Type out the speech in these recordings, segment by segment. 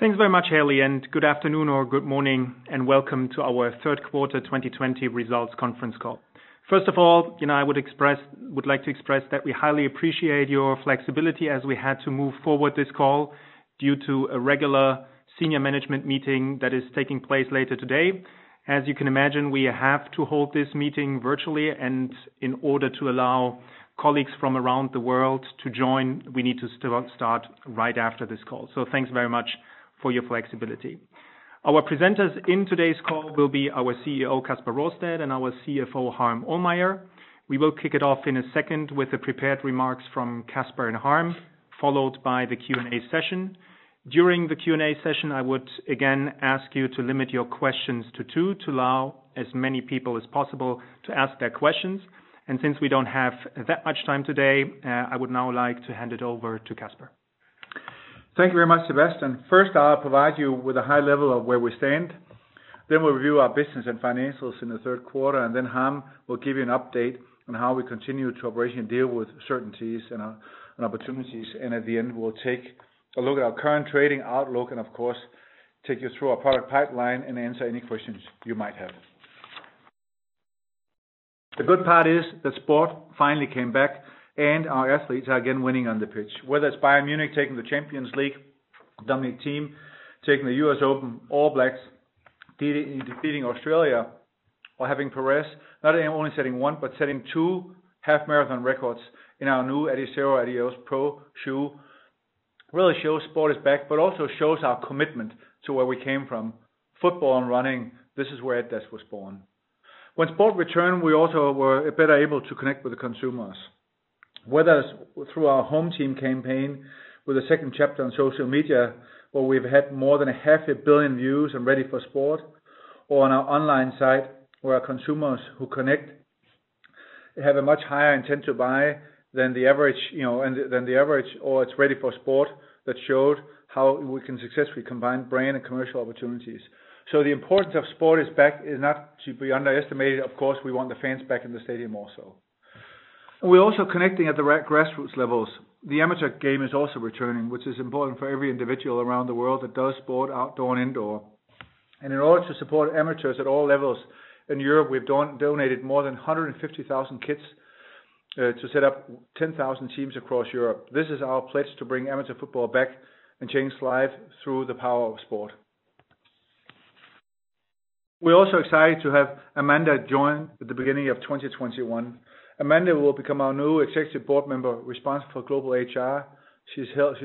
Thanks very much, Hayley. Good afternoon or good morning, and welcome to our third quarter 2020 results conference call. First of all, I would like to express that we highly appreciate your flexibility as we had to move forward this call due to a regular senior management meeting that is taking place later today. As you can imagine, we have to hold this meeting virtually, and in order to allow colleagues from around the world to join, we need to still start right after this call. Thanks very much for your flexibility. Our presenters in today's call will be our CEO, Kasper Rørsted, and our CFO, Harm Ohlmeyer. We will kick it off in a second with the prepared remarks from Kasper and Harm, followed by the Q&A session. During the Q&A session, I would again ask you to limit your questions to two, to allow as many people as possible to ask their questions. Since we don't have that much time today, I would now like to hand it over to Kasper. Thank you very much, Sebastian. First, I'll provide you with a high level of where we stand, then we'll review our business and financials in the third quarter, and then Harm will give you an update on how we continue to operationally deal with certainties and opportunities. At the end, we'll take a look at our current trading outlook and, of course, take you through our product pipeline and answer any questions you might have. The good part is that sport finally came back and our athletes are again winning on the pitch. Whether it's Bayern Munich taking the Champions League, Dominic Thiem taking the U.S. Open, All Blacks defeating Australia, or having Peres not only setting one, but setting two half-marathon records in our new Adizero Adios Pro shoe, really shows sport is back, but also shows our commitment to where we came from. Football and running, this is where adidas was born. When sport returned, we also were better able to connect with the consumers, whether through our HomeTeam campaign with the second chapter on social media, where we've had more than a half a billion views in Ready for Sport, or on our online site where our consumers who connect have a much higher intent to buy than the average, or it's Ready for Sport that showed how we can successfully combine brand and commercial opportunities. The importance of sport is back is not to be underestimated. Of course, we want the fans back in the stadium also. We're also connecting at the grassroots levels. The amateur game is also returning, which is important for every individual around the world that does sport outdoor and indoor. In order to support amateurs at all levels in Europe, we've donated more than 150,000 kits to set up 10,000 teams across Europe. This is our pledge to bring amateur football back and change lives through the power of sport. We're also excited to have Amanda join at the beginning of 2021. Amanda will become our new Executive Board Member responsible for global HR. She's held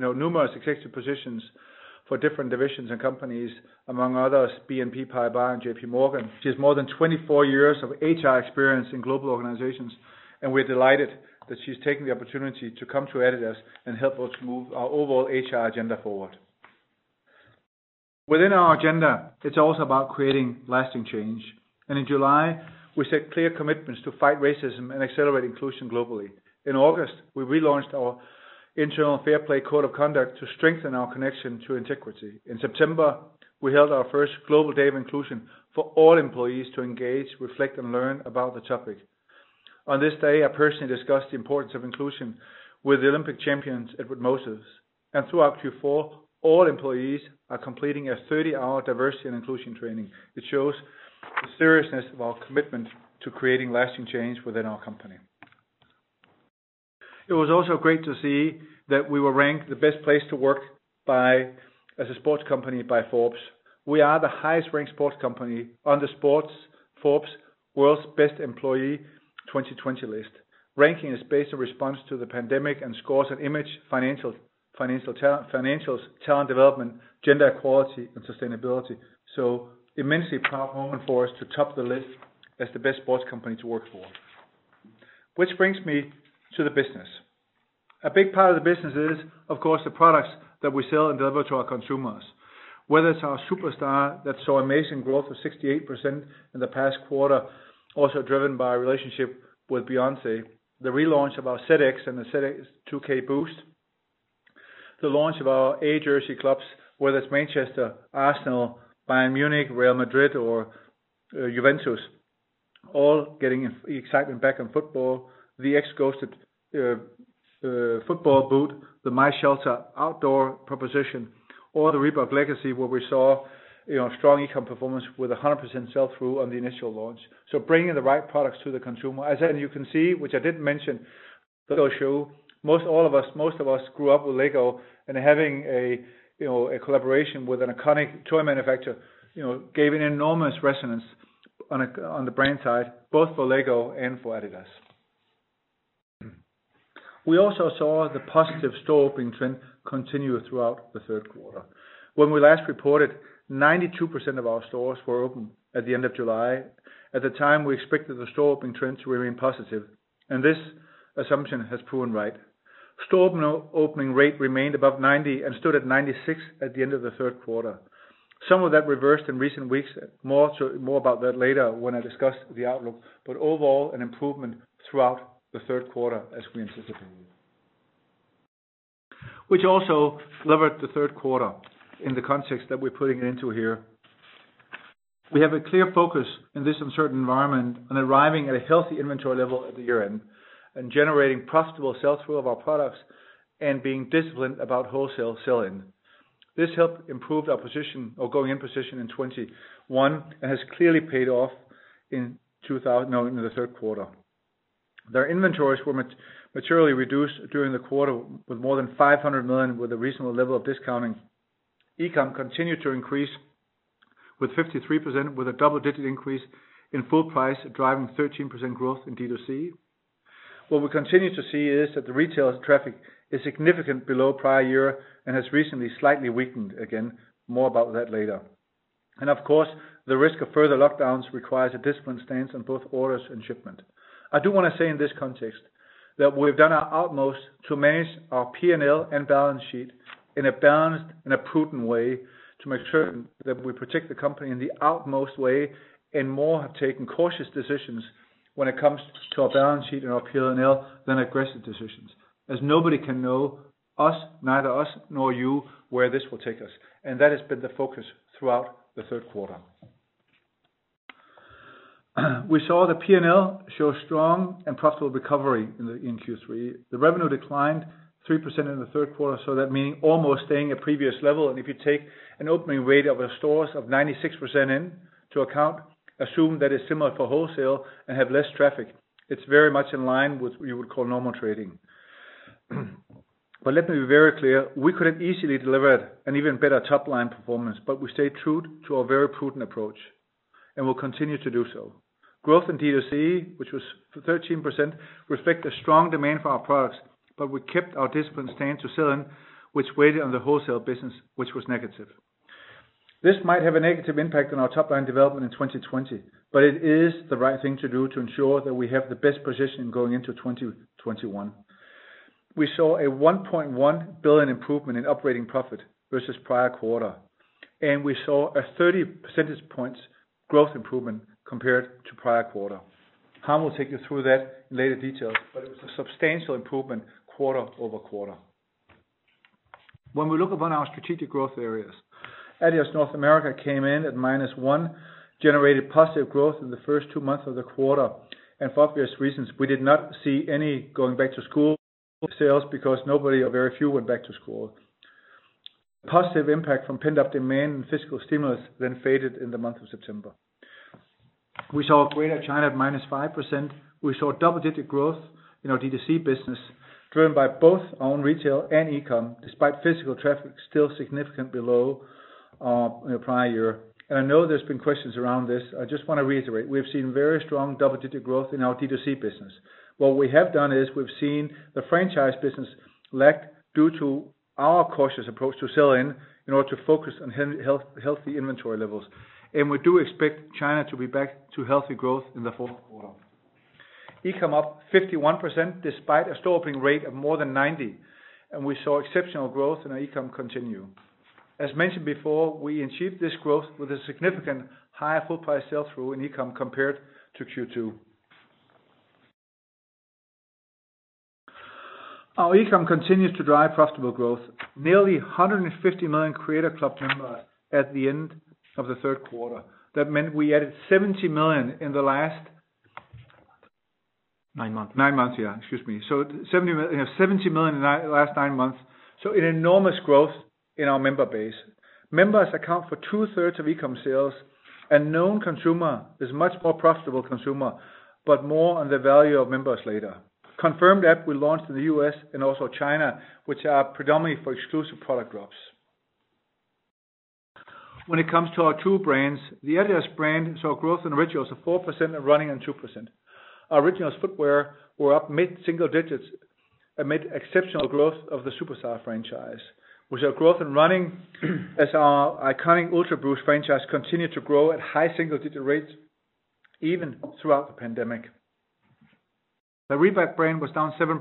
numerous executive positions for different divisions and companies, among others, BNP Paribas and JPMorgan. She has more than 24 years of HR experience in global organizations, and we're delighted that she's taking the opportunity to come to adidas and help us move our overall HR agenda forward. Within our agenda, it's also about creating lasting change. In July, we set clear commitments to fight racism and accelerate inclusion globally. In August, we relaunched our internal Fair Play Code of Conduct to strengthen our connection to integrity. In September, we held our first Global Day of Inclusion for all employees to engage, reflect, and learn about the topic. On this day, I personally discussed the importance of inclusion with the Olympic champion, Edwin Moses, and throughout Q4, all employees are completing a 30-hour diversity and inclusion training. It shows the seriousness of our commitment to creating lasting change within our company. It was also great to see that we were ranked the best place to work as a sports company by Forbes. We are the highest-ranked sports company on the Forbes World's Best Employee 2020 list. Ranking is based on response to the pandemic and scores on image, financials, talent development, gender equality, and sustainability. Immensely proud moment for us to top the list as the best sports company to work for. Which brings me to the business. A big part of the business is, of course, the products that we sell and deliver to our consumers. Whether it's our Superstar that saw amazing growth of 68% in the past quarter, also driven by relationship with Beyoncé, the relaunch of our ZX and the ZX 2K Boost, the launch of away jersey clubs, whether it's Manchester, Arsenal, Bayern Munich, Real Madrid, or Juventus, all getting excitement back in football. The X Ghosted football boot, the MYSHELTER outdoor proposition, or the Reebok Legacy, where we saw strong e-com performance with 100% sell-through on the initial launch. Bringing the right products to the consumer. As you can see, which I didn't mention, the Lego shoe. Most of us grew up with Lego. Having a collaboration with an iconic toy manufacturer gave an enormous resonance on the brand side, both for Lego and for adidas. We also saw the positive store opening trend continue throughout the third quarter. When we last reported, 92% of our stores were open at the end of July. At the time, we expected the store opening trends to remain positive, and this assumption has proven right. Store opening rate remained above 90% and stood at 96% at the end of the third quarter. Some of that reversed in recent weeks. More about that later when I discuss the outlook, but overall, an improvement throughout the third quarter as we anticipated. Which also levered the third quarter in the context that we're putting it into here. We have a clear focus in this uncertain environment on arriving at a healthy inventory level at the year-end, and generating profitable sell-through of our products, and being disciplined about wholesale sell-in. This helped improve our going-in position in 2021. Has clearly paid off in the third quarter. Their inventories were materially reduced during the quarter with more than 500 million, with a reasonable level of discounting. E-com continued to increase with 53%, with a double-digit increase in full price, driving 13% growth in D2C. What we continue to see is that the retail traffic is significant below prior year and has recently slightly weakened again. More about that later. Of course, the risk of further lockdowns requires a disciplined stance on both orders and shipment. I do want to say in this context, that we've done our utmost to manage our P&L and balance sheet in a balanced and a prudent way, to make certain that we protect the company in the utmost way, and more have taken cautious decisions when it comes to our balance sheet and our P&L than aggressive decisions, as nobody can know, neither us nor you, where this will take us, and that has been the focus throughout the third quarter. We saw the P&L show strong and profitable recovery in Q3. The revenue declined 3% in the third quarter, so that meaning almost staying at previous level. If you take an opening rate of stores of 96% into account, assume that it's similar for wholesale and have less traffic, it's very much in line with what you would call normal trading. Let me be very clear, we could have easily delivered an even better top-line performance, but we stayed true to our very prudent approach, and will continue to do so. Growth in D2C, which was 13%, reflect a strong demand for our products, but we kept our disciplined stance to sell-in, which weighted on the wholesale business, which was negative. This might have a negative impact on our top-line development in 2020, but it is the right thing to do to ensure that we have the best position going into 2021. We saw a 1.1 billion improvement in operating profit versus prior quarter, and we saw a 30 percentage points growth improvement compared to prior quarter. Harm will take you through that in later detail, but it was a substantial improvement quarter-over-quarter. When we look upon our strategic growth areas, adidas North America came in at -1%, generated positive growth in the first two months of the quarter. For obvious reasons, we did not see any going back to school sales because nobody or very few went back to school. The positive impact from pent-up demand and fiscal stimulus faded in the month of September. We saw Greater China at -5%. We saw double-digit growth in our D2C business, driven by both own retail and e-com, despite physical traffic still significant below our prior year. I know there's been questions around this. I just want to reiterate, we have seen very strong double-digit growth in our D2C business. What we have done is we've seen the franchise business lack due to our cautious approach to sell-in, in order to focus on healthy inventory levels, and we do expect China to be back to healthy growth in the fourth quarter. E-com up 51%, despite a store opening rate of more than 90%, and we saw exceptional growth in our e-com continue. As mentioned before, we achieved this growth with a significant higher full price sell-through in e-com compared to Q2. Our e-com continues to drive profitable growth. Nearly 150 million Creators Club members at the end of the third quarter. That meant we added 70 million in the last- Nine months. Nine months, yeah. Excuse me. 70 million in the last nine months, an enormous growth in our member base. Members account for two-thirds of e-com sales. Known consumer is much more profitable consumer, more on the value of members later. CONFIRMED app we launched in the U.S. and also China, which are predominantly for exclusive product drops. When it comes to our two brands, the adidas brand saw growth in Originals of 4% and Running at 2%. Originals footwear were up mid-single digits amid exceptional growth of the Superstar franchise, with our growth in Running as our iconic Ultraboost franchise continued to grow at high single-digit rates even throughout the pandemic. The Reebok brand was down 7%.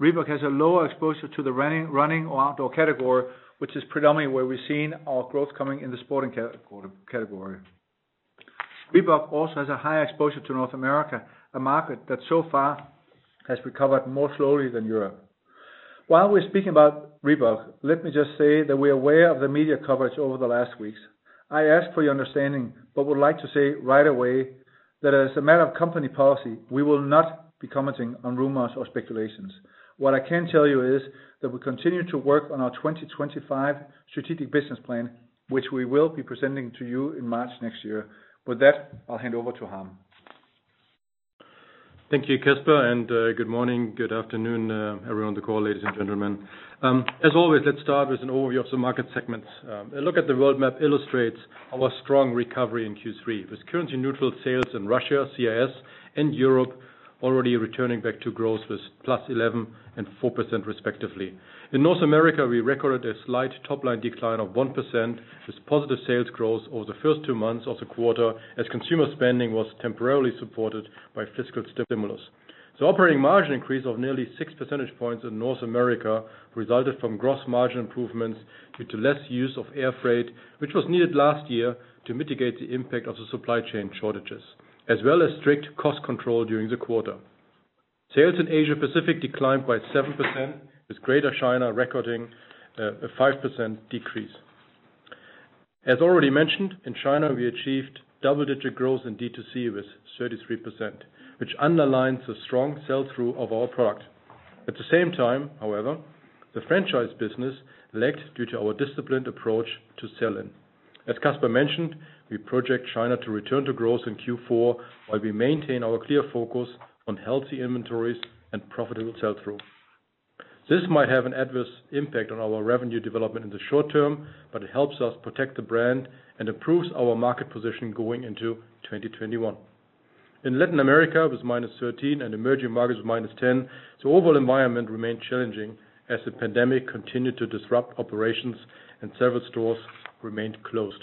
Reebok has a lower exposure to the Running or Outdoor category, which is predominantly where we've seen our growth coming in the Sporting category. Reebok also has a higher exposure to North America, a market that so far has recovered more slowly than Europe. While we're speaking about Reebok, let me just say that we're aware of the media coverage over the last weeks. I ask for your understanding, but would like to say right away that as a matter of company policy, we will not be commenting on rumors or speculations. What I can tell you is, that we continue to work on our 2025 strategic business plan, which we will be presenting to you in March next year. With that, I'll hand over to Harm. Thank you, Kasper, good morning, good afternoon, everyone on the call, ladies and gentlemen. As always, let's start with an overview of the market segments. A look at the world map illustrates our strong recovery in Q3, with currency neutral sales in Russia, CIS, and Europe already returning back to growth with +11% and 4% respectively. In North America, we recorded a slight top-line decline of 1%, with positive sales growth over the first two months of the quarter as consumer spending was temporarily supported by fiscal stimulus. The operating margin increase of nearly 6 percentage points in North America resulted from gross margin improvements due to less use of air freight, which was needed last year to mitigate the impact of the supply chain shortages, as well as strict cost control during the quarter. Sales in Asia Pacific declined by 7%, with Greater China recording a 5% decrease. As already mentioned, in China, we achieved double-digit growth in D2C with 33%, which underlines the strong sell-through of our product. At the same time, however, the franchise business lagged due to our disciplined approach to sell-in. As Kasper mentioned, we project China to return to growth in Q4 while we maintain our clear focus on healthy inventories and profitable sell-through. This might have an adverse impact on our revenue development in the short term, but it helps us protect the brand and improves our market position going into 2021. In Latin America with -13% and emerging markets with -10%, the overall environment remained challenging as the pandemic continued to disrupt operations and several stores remained closed.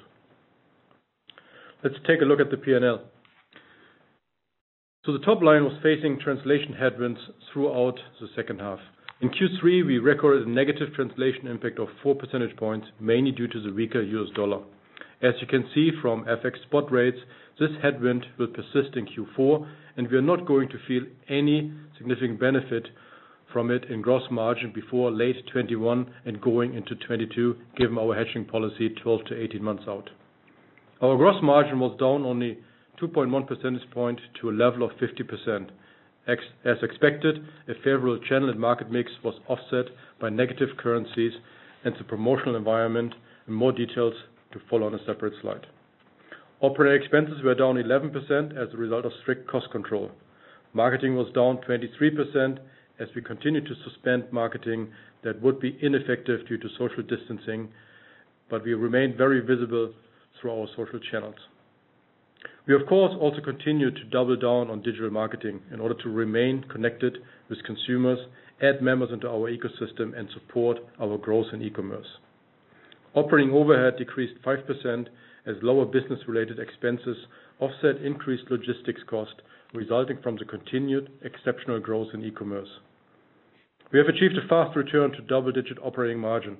Let's take a look at the P&L. The top line was facing translation headwinds throughout the second half. In Q3, we recorded a negative translation impact of 4 percentage points, mainly due to the weaker U.S. dollar. As you can see from FX spot rates, this headwind will persist in Q4, and we are not going to feel any significant benefit from it in gross margin before late 2021 and going into 2022, given our hedging policy 12-18 months out. Our gross margin was down only 2.1 percentage point to a level of 50%. As expected, a favorable channel and market mix was offset by negative currencies and the promotional environment, and more details to follow on a separate slide. Operating expenses were down 11% as a result of strict cost control. Marketing was down 23% as we continued to suspend marketing that would be ineffective due to social distancing, but we remain very visible through our social channels. We, of course, also continue to double down on digital marketing in order to remain connected with consumers, add members into our ecosystem, and support our growth in e-commerce. Operating overhead decreased 5% as lower business-related expenses offset increased logistics cost resulting from the continued exceptional growth in e-commerce. We have achieved a fast return to double-digit operating margin.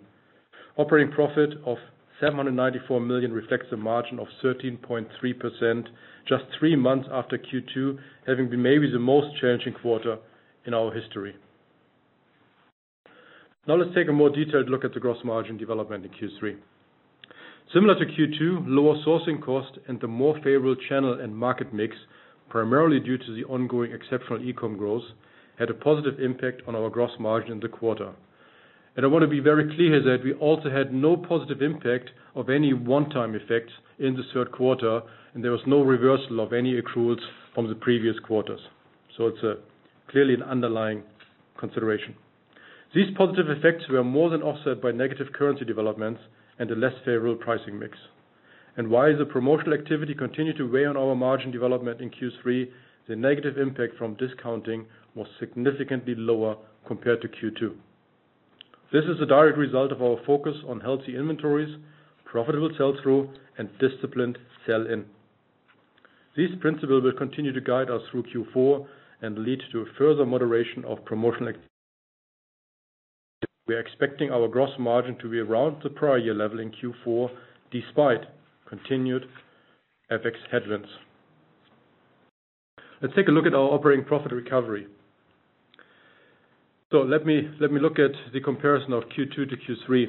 Operating profit of 794 million reflects a margin of 13.3% just three months after Q2, having been maybe the most challenging quarter in our history. Let's take a more detailed look at the gross margin development in Q3. Similar to Q2, lower sourcing cost and the more favorable channel and market mix, primarily due to the ongoing exceptional e-com growth, had a positive impact on our gross margin in the quarter. I want to be very clear that we also had no positive impact of any one-time effects in the third quarter, and there was no reversal of any accruals from the previous quarters. It's clearly an underlying consideration. These positive effects were more than offset by negative currency developments and a less favorable pricing mix. While the promotional activity continued to weigh on our margin development in Q3, the negative impact from discounting was significantly lower compared to Q2. This is a direct result of our focus on healthy inventories, profitable sell-through, and disciplined sell-in. These principles will continue to guide us through Q4 and lead to a further moderation of promotional activity. We are expecting our gross margin to be around the prior year level in Q4, despite continued FX headwinds. Let's take a look at our operating profit recovery. Let me look at the comparison of Q2 to Q3.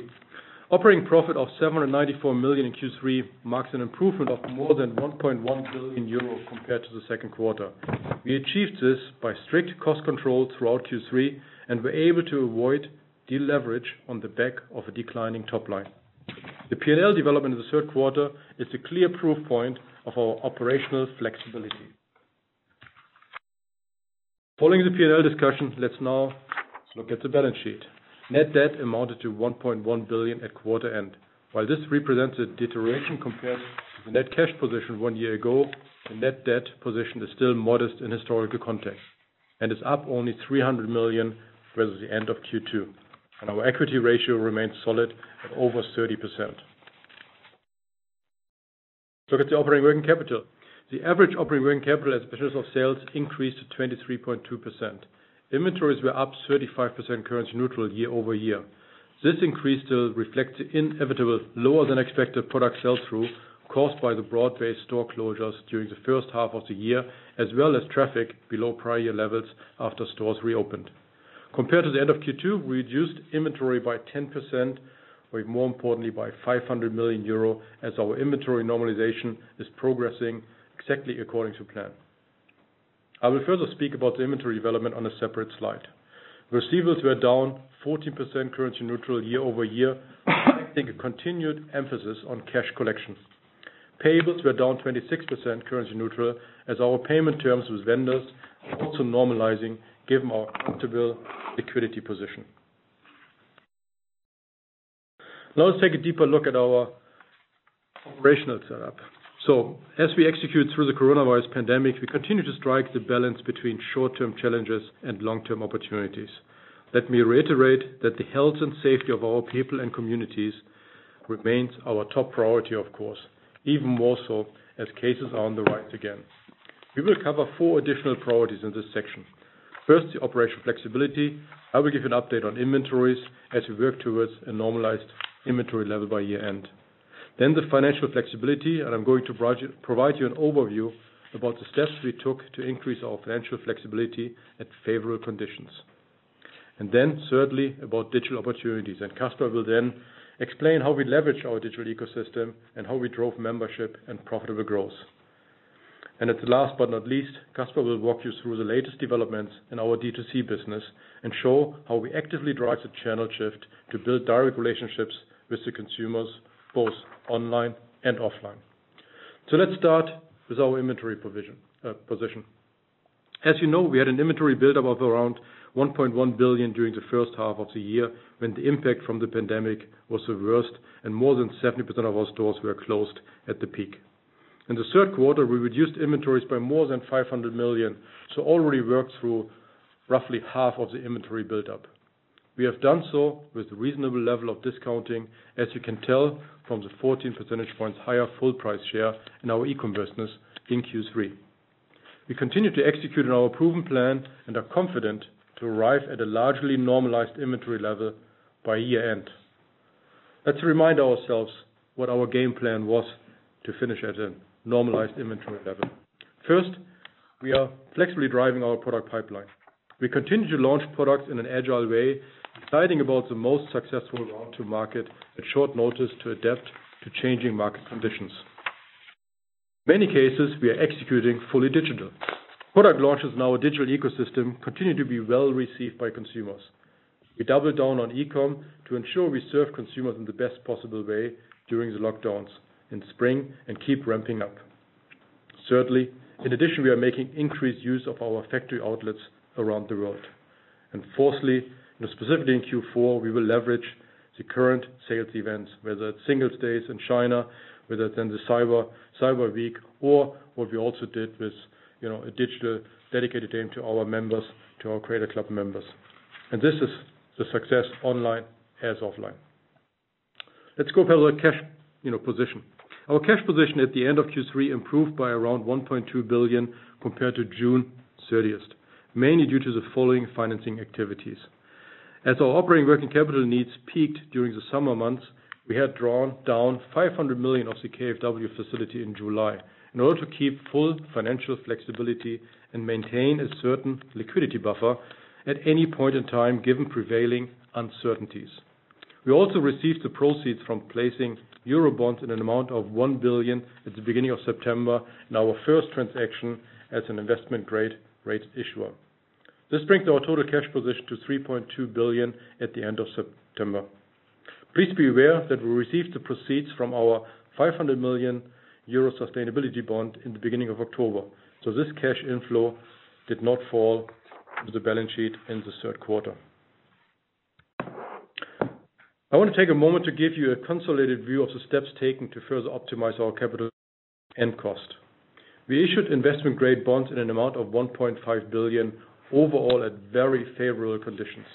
Operating profit of 794 million in Q3 marks an improvement of more than 1.1 billion euro compared to the second quarter. We achieved this by strict cost control throughout Q3 and were able to avoid deleverage on the back of a declining top line. The P&L development in the third quarter is a clear proof point of our operational flexibility. Following the P&L discussion, let's now look at the balance sheet. Net debt amounted to 1.1 billion at quarter end. While this represents a deterioration compared to the net cash position one year ago, the net debt position is still modest in historical context and is up only 300 million versus the end of Q2. Our equity ratio remains solid at over 30%. Look at the operating working capital. The average operating working capital as a percentage of sales increased to 23.2%. Inventories were up 35% currency neutral year-over-year. This increase still reflects the inevitable lower than expected product sell-through caused by the broad-based store closures during the first half of the year, as well as traffic below prior year levels after stores reopened. Compared to the end of Q2, we reduced inventory by 10%, or more importantly, by 500 million euro as our inventory normalization is progressing exactly according to plan. I will further speak about the inventory development on a separate slide. Receivables were down 14% currency neutral year-over-year, reflecting a continued emphasis on cash collections. Payables were down 26% currency neutral as our payment terms with vendors are also normalizing given our comfortable liquidity position. Now let's take a deeper look at our operational setup. As we execute through the coronavirus pandemic, we continue to strike the balance between short-term challenges and long-term opportunities. Let me reiterate that the health and safety of all people and communities remains our top priority, of course, even more so as cases are on the rise again. We will cover four additional priorities in this section. First, the operational flexibility. I will give you an update on inventories as we work towards a normalized inventory level by year-end. The financial flexibility, and I'm going to provide you an overview about the steps we took to increase our financial flexibility at favorable conditions. Thirdly, about digital opportunities, and Kasper will then explain how we leverage our digital ecosystem and how we drove membership and profitable growth. At last but not least, Kasper will walk you through the latest developments in our D2C business and show how we actively drive the channel shift to build direct relationships with the consumers, both online and offline. Let's start with our inventory position. As you know, we had an inventory buildup of around 1.1 billion during the first half of the year, when the impact from the pandemic was the worst and more than 70% of our stores were closed at the peak. In the third quarter, we reduced inventories by more than 500 million, so already worked through roughly half of the inventory buildup. We have done so with a reasonable level of discounting, as you can tell from the 14 percentage points higher full price share in our e-com business in Q3. We continue to execute on our proven plan and are confident to arrive at a largely normalized inventory level by year-end. Let's remind ourselves what our game plan was to finish at a normalized inventory level. First, we are flexibly driving our product pipeline. We continue to launch products in an agile way, deciding about the most successful route to market at short notice to adapt to changing market conditions. Many cases, we are executing fully digital. Product launches in our digital ecosystem continue to be well-received by consumers. We doubled down on e-com to ensure we serve consumers in the best possible way during the lockdowns in spring and keep ramping up. Thirdly, in addition, we are making increased use of our factory outlets around the world. Fourthly, specifically in Q4, we will leverage the current sales events, whether it is Singles Day in China, whether it is in the Cyber Week or what we also did with a digital dedicated day to our members, to our Creators Club members. This is the success online as offline. Let's go over the cash position. Our cash position at the end of Q3 improved by around 1.2 billion compared to June 30th, mainly due to the following financing activities. As our operating working capital needs peaked during the summer months, we had drawn down 500 million of the KfW facility in July in order to keep full financial flexibility and maintain a certain liquidity buffer at any point in time, given prevailing uncertainties. We also received the proceeds from placing euro bonds in an amount of 1 billion at the beginning of September in our first transaction as an investment-grade rated issuer. This brings our total cash position to 3.2 billion at the end of September. Please be aware that we received the proceeds from our 500 million euro sustainability bond in the beginning of October, this cash inflow did not fall to the balance sheet in the third quarter. I want to take a moment to give you a consolidated view of the steps taken to further optimize our capital and cost. We issued investment-grade bonds in an amount of 1.5 billion overall at very favorable conditions.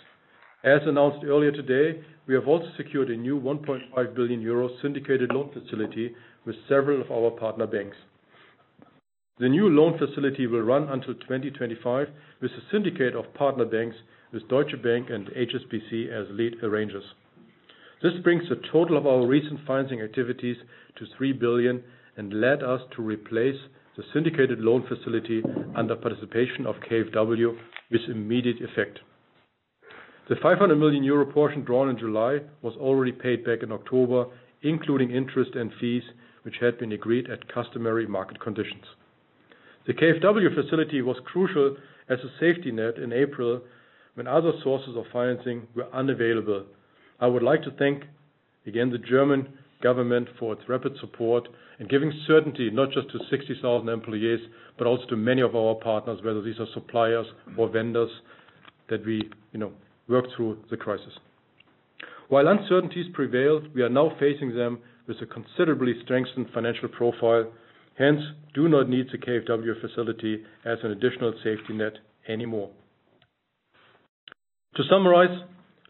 As announced earlier today, we have also secured a new 1.5 billion euro syndicated loan facility with several of our partner banks. The new loan facility will run until 2025 with a syndicate of partner banks with Deutsche Bank and HSBC as lead arrangers. This brings the total of our recent financing activities to 3 billion and led us to replace the syndicated loan facility under participation of KfW with immediate effect. The 500 million euro portion drawn in July was already paid back in October, including interest and fees, which had been agreed at customary market conditions. The KfW facility was crucial as a safety net in April when other sources of financing were unavailable. I would like to thank again the German government for its rapid support and giving certainty, not just to 60,000 employees, but also to many of our partners, whether these are suppliers or vendors that we work through the crisis. While uncertainties prevailed, we are now facing them with a considerably strengthened financial profile, hence do not need the KfW facility as an additional safety net anymore. To summarize,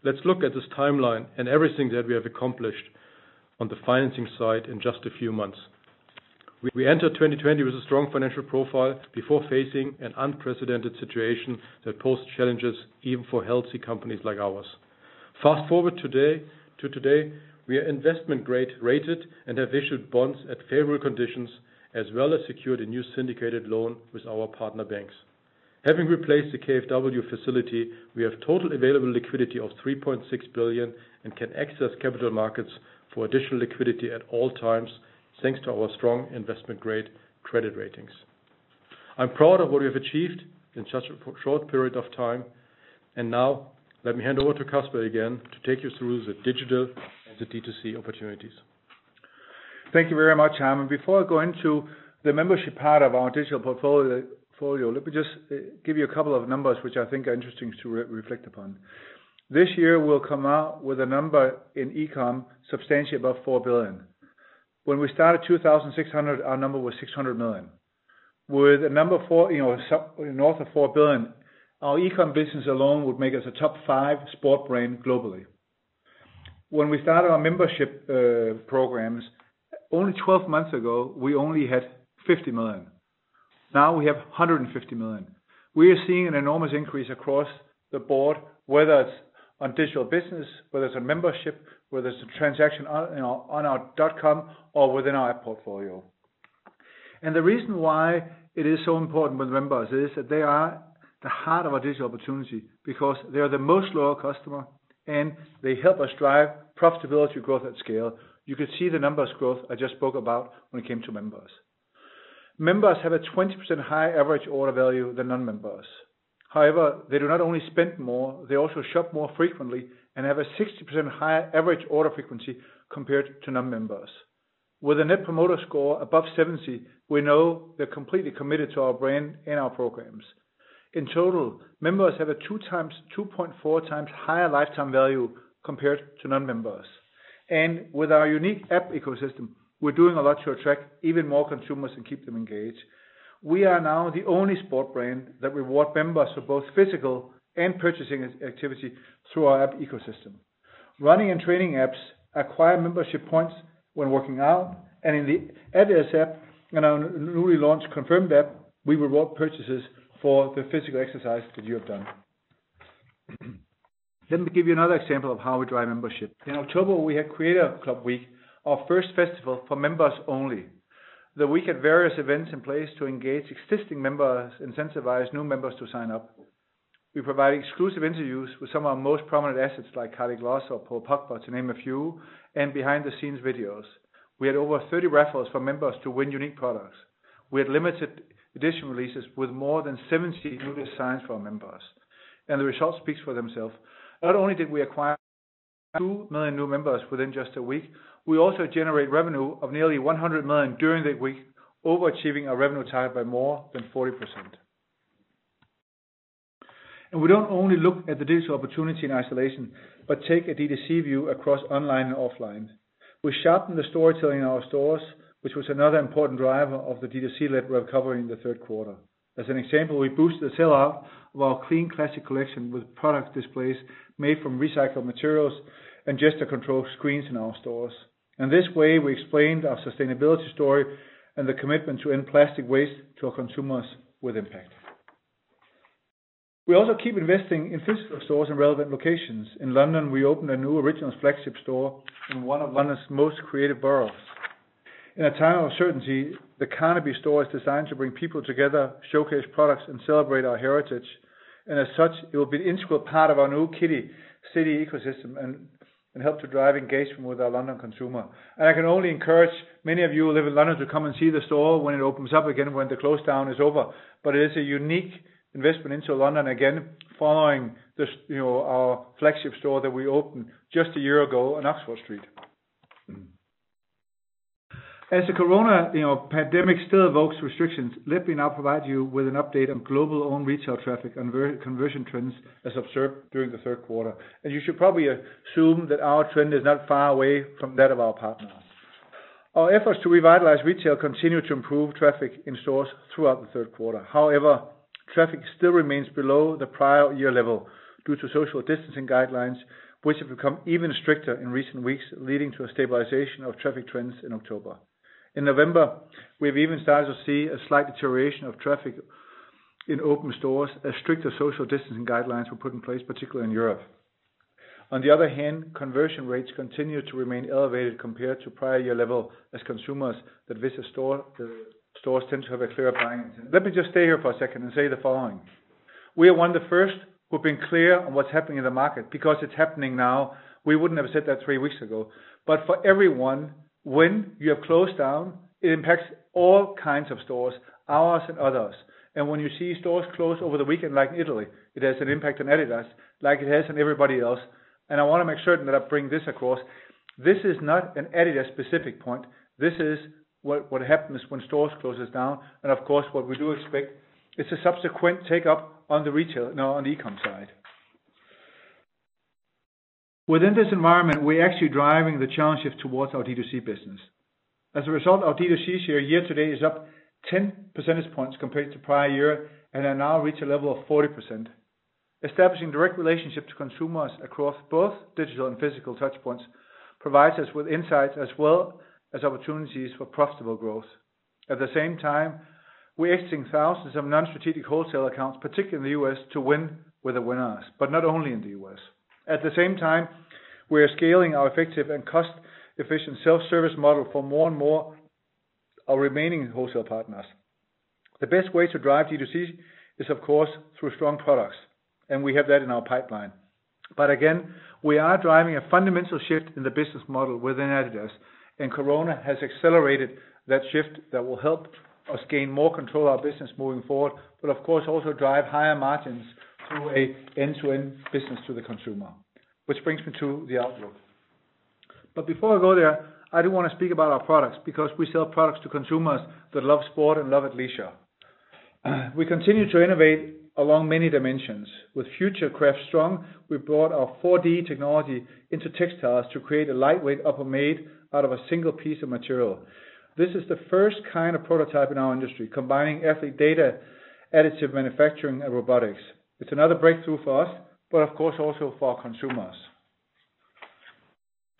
let's look at this timeline and everything that we have accomplished on the financing side in just a few months. We entered 2020 with a strong financial profile before facing an unprecedented situation that posed challenges even for healthy companies like ours. Fast-forward to today, we are investment-grade rated and have issued bonds at favorable conditions, as well as secured a new syndicated loan with our partner banks. Having replaced the KfW facility, we have total available liquidity of 3.6 billion and can access capital markets for additional liquidity at all times, thanks to our strong investment-grade credit ratings. I'm proud of what we have achieved in such a short period of time, and now let me hand over to Kasper again to take you through the digital and the D2C opportunities. Thank you very much, Harm. Before I go into the membership part of our digital portfolio, let me just give you a couple of numbers which I think are interesting to reflect upon. This year, we'll come out with a number in e-com substantially above 4 billion. When we started 2016, our number was 600 million. With a number north of 4 billion, our e-com business alone would make us a top five sport brand globally. When we started our membership programs only 12 months ago, we only had 50 million. Now we have 150 million. We are seeing an enormous increase across the board, whether it's on digital business, whether it's a membership, whether it's a transaction on our dotcom or within our app portfolio. The reason why it is so important with members is that they are the heart of our digital opportunity because they are the most loyal customer and they help us drive profitability growth at scale. You can see the numbers growth I just spoke about when it came to members. Members have a 20% higher average order value than non-members. However, they do not only spend more, they also shop more frequently and have a 60% higher average order frequency compared to non-members. With a net promoter score above 70, we know they're completely committed to our brand and our programs. In total, members have a 2.4 times higher lifetime value compared to non-members. With our unique app ecosystem, we're doing a lot to attract even more consumers and keep them engaged. We are now the only sport brand that reward members for both physical and purchasing activity through our app ecosystem. Running and training apps acquire membership points when working out and in the adidas app and our newly launched CONFIRMED app, we reward purchases for the physical exercise that you have done. Let me give you another example of how we drive membership. In October, we had Creators Club Week, our first festival for members only. The week had various events in place to engage existing members, incentivize new members to sign up. We provide exclusive interviews with some of our most prominent assets like Karlie Kloss or Paul Pogba, to name a few, and behind-the-scenes videos. We had over 30 raffles for members to win unique products. We had limited edition releases with more than 70 newly signed for our members, and the results speaks for themselves. Not only did we acquire 2 million new members within just a week, we also generate revenue of nearly 100 million during that week, overachieving our revenue target by more than 40%. We don't only look at the digital opportunity in isolation, but take a D2C view across online and offline. We sharpen the storytelling in our stores, which was another important driver of the D2C-led recovery in the third quarter. As an example, we boosted the sell-out of our Clean Classics collection with product displays made from recycled materials and gesture-control screens in our stores. In this way, we explained our sustainability story and the commitment to end plastic waste to our consumers with impact. We also keep investing in physical stores in relevant locations. In London, we opened a new Originals flagship store in one of London's most creative boroughs. In a time of uncertainty, the Carnaby store is designed to bring people together, showcase products, and celebrate our heritage. As such, it will be an integral part of our new Key City ecosystem and help to drive engagement with our London consumer. I can only encourage many of you who live in London to come and see the store when it opens up again when the close down is over. It is a unique investment into London, again, following our flagship store that we opened just a year ago on Oxford Street. As the corona pandemic still evokes restrictions, let me now provide you with an update on global owned retail traffic and conversion trends as observed during the third quarter. You should probably assume that our trend is not far away from that of our partners. Our efforts to revitalize retail continue to improve traffic in stores throughout the third quarter. However, traffic still remains below the prior year level due to social distancing guidelines, which have become even stricter in recent weeks, leading to a stabilization of traffic trends in October. In November, we have even started to see a slight deterioration of traffic in open stores as stricter social distancing guidelines were put in place, particularly in Europe. On the other hand, conversion rates continue to remain elevated compared to prior year level as consumers that visit stores tend to have a clear buying intent. Let me just stay here for a second and say the following. We are one of the first who've been clear on what's happening in the market because it's happening now. We wouldn't have said that three weeks ago. For everyone, when you have closed down, it impacts all kinds of stores, ours and others. When you see stores close over the weekend like in Italy, it has an impact on adidas like it has on everybody else, and I want to make certain that I bring this across. This is not an adidas-specific point. This is what happens when stores closes down, and of course, what we do expect is a subsequent take-up on the e-com side. Within this environment, we're actually driving the channel shift towards our D2C business. As a result, our D2C share year to date is up 10 percentage points compared to prior year and have now reached a level of 40%. Establishing direct relationship to consumers across both digital and physical touchpoints provides us with insights as well as opportunities for profitable growth. At the same time, we're exiting thousands of non-strategic wholesale accounts, particularly in the U.S., to win where the win is, but not only in the U.S. At the same time, we are scaling our effective and cost-efficient self-service model for more and more our remaining wholesale partners. The best way to drive D2C is, of course, through strong products, and we have that in our pipeline. Again, we are driving a fundamental shift in the business model within adidas, and corona has accelerated that shift that will help us gain more control of our business moving forward, but of course, also drive higher margins through an end-to-end business to the consumer, which brings me to the outlook. Before I go there, I do want to speak about our products because we sell products to consumers that love sport and love leisure. We continue to innovate along many dimensions. With Futurecraft Strung, we brought our 4D technology into textiles to create a lightweight upper made out of a single piece of material. This is the first kind of prototype in our industry, combining athlete data, additive manufacturing, and robotics. It's another breakthrough for us, but of course also for our consumers.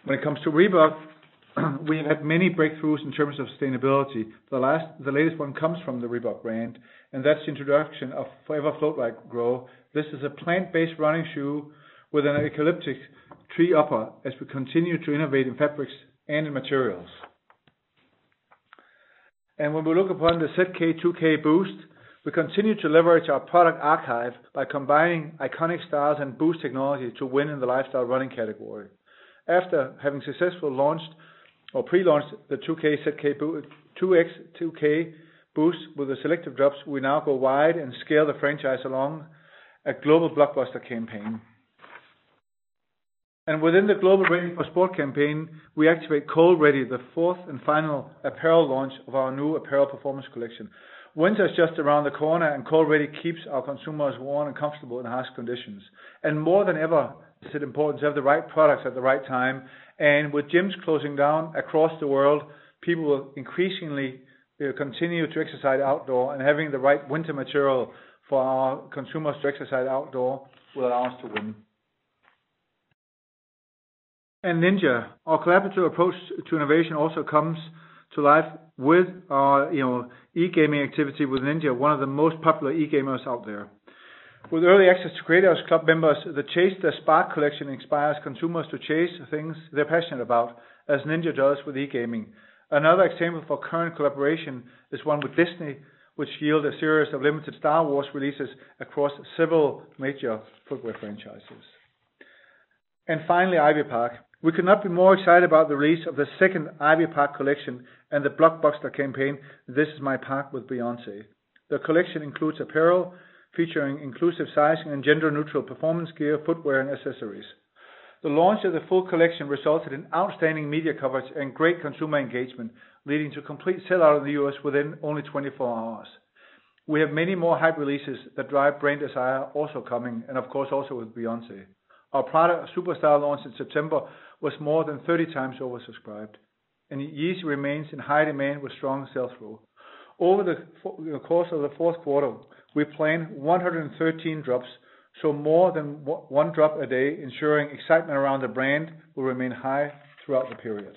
When it comes to Reebok, we have had many breakthroughs in terms of sustainability. The latest one comes from the Reebok brand, and that's the introduction of Forever Floatride GROW. This is a plant-based running shoe with an eucalyptus tree upper as we continue to innovate in fabrics and in materials. When we look upon the ZX 2K Boost, we continue to leverage our product archive by combining iconic styles and Boost technology to win in the lifestyle running category. After having successfully launched or pre-launched the ZX 2K Boost with the selective drops, we now go wide and scale the franchise along a global blockbuster campaign. Within the global Ready for Sport campaign, we activate COLD.RDY, the fourth and final apparel launch of our new apparel performance collection. Winter is just around the corner, and COLD.RDY keeps our consumers warm and comfortable in harsh conditions. More than ever, is it important to have the right products at the right time. With gyms closing down across the world, people will increasingly continue to exercise outdoor, and having the right winter material for our consumers to exercise outdoor will allow us to win. Ninja. Our collaborative approach to innovation also comes to life with our e-gaming activity with Ninja, one of the most popular e-gamers out there. With early access to Creators Club members, the Chase the Spark collection inspires consumers to chase the things they're passionate about, as Ninja does with e-gaming. Another example for current collaboration is one with Disney, which yields a series of limited Star Wars releases across several major footwear franchises. Finally, Ivy Park. We could not be more excited about the release of the second Ivy Park collection and the blockbuster campaign, This Is My Park, with Beyoncé. The collection includes apparel featuring inclusive sizing and gender-neutral performance gear, footwear, and accessories. The launch of the full collection resulted in outstanding media coverage and great consumer engagement, leading to a complete sell-out in the U.S. within only 24 hours. We have many more hype releases that drive brand desire also coming, and of course, also with Beyoncé. Our Prada Superstar launch in September was more than 30 times oversubscribed. Yeezy remains in high demand with strong sell-through. Over the course of the fourth quarter, we plan 113 drops, so more than one drop a day, ensuring excitement around the brand will remain high throughout the period.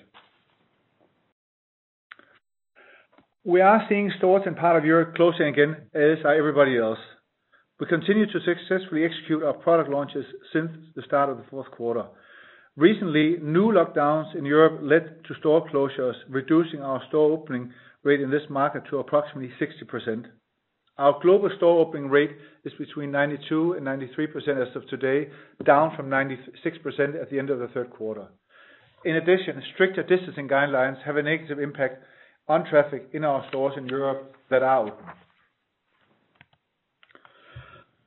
We are seeing stores in part of Europe closing again, as are everybody else. We continue to successfully execute our product launches since the start of the fourth quarter. Recently, new lockdowns in Europe led to store closures, reducing our store opening rate in this market to approximately 60%. Our global store opening rate is between 92% and 93% as of today, down from 96% at the end of the third quarter. In addition, stricter distancing guidelines have a negative impact on traffic in our stores in Europe that are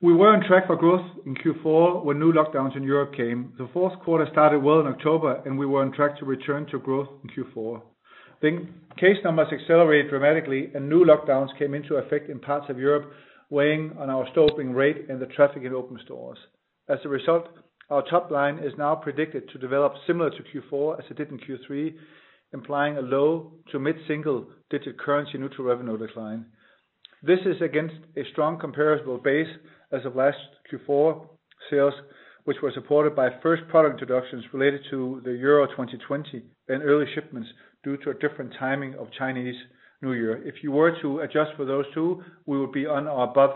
open. We were on track for growth in Q4 when new lockdowns in Europe came. The fourth quarter started well in October, and we were on track to return to growth in Q4. Case numbers accelerated dramatically, and new lockdowns came into effect in parts of Europe, weighing on our store opening rate and the traffic in open stores. As a result, our top line is now predicted to develop similar to Q4 as it did in Q3, implying a low- to mid-single-digit currency-neutral revenue decline. This is against a strong comparable base as of last Q4 sales, which were supported by first product introductions related to the Euro 2020 and early shipments due to a different timing of Chinese New Year. If you were to adjust for those two, we would be on above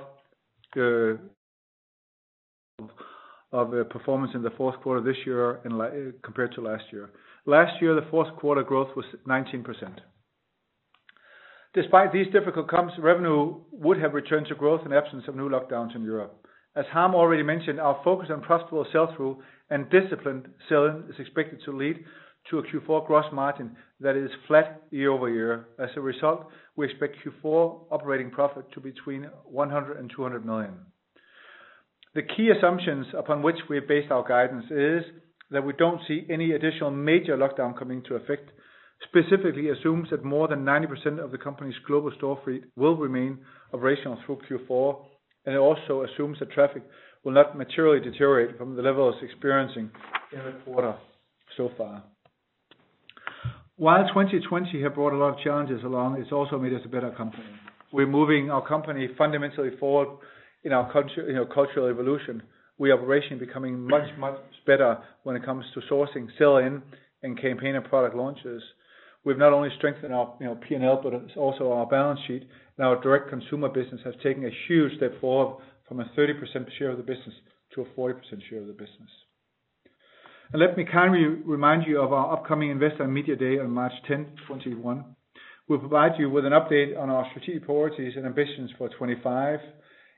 of performance in the fourth quarter this year compared to last year. Last year, the fourth quarter growth was 19%. Despite these difficult comps, revenue would have returned to growth in absence of new lockdowns in Europe. As Harm already mentioned, our focus on profitable sell-through and disciplined sell-in is expected to lead to a Q4 gross margin that is flat year-over-year. As a result, we expect Q4 operating profit to between 100 million and 200 million. The key assumptions upon which we based our guidance is that we don't see any additional major lockdown coming into effect, specifically assumes that more than 90% of the company's global store fleet will remain operational through Q4, and it also assumes that traffic will not materially deteriorate from the levels experiencing in the quarter so far. While 2020 have brought a lot of challenges along, it's also made us a better company. We're moving our company fundamentally forward in our cultural evolution. We are operationally becoming much, much better when it comes to sourcing, sell-in, and campaign and product launches. We've not only strengthened our P&L, but also our balance sheet. Our direct consumer business has taken a huge step forward from a 30% share of the business to a 40% share of the business. Let me kindly remind you of our upcoming Investor and Media Day on March 10, 2021. We'll provide you with an update on our strategic priorities and ambitions for 2025.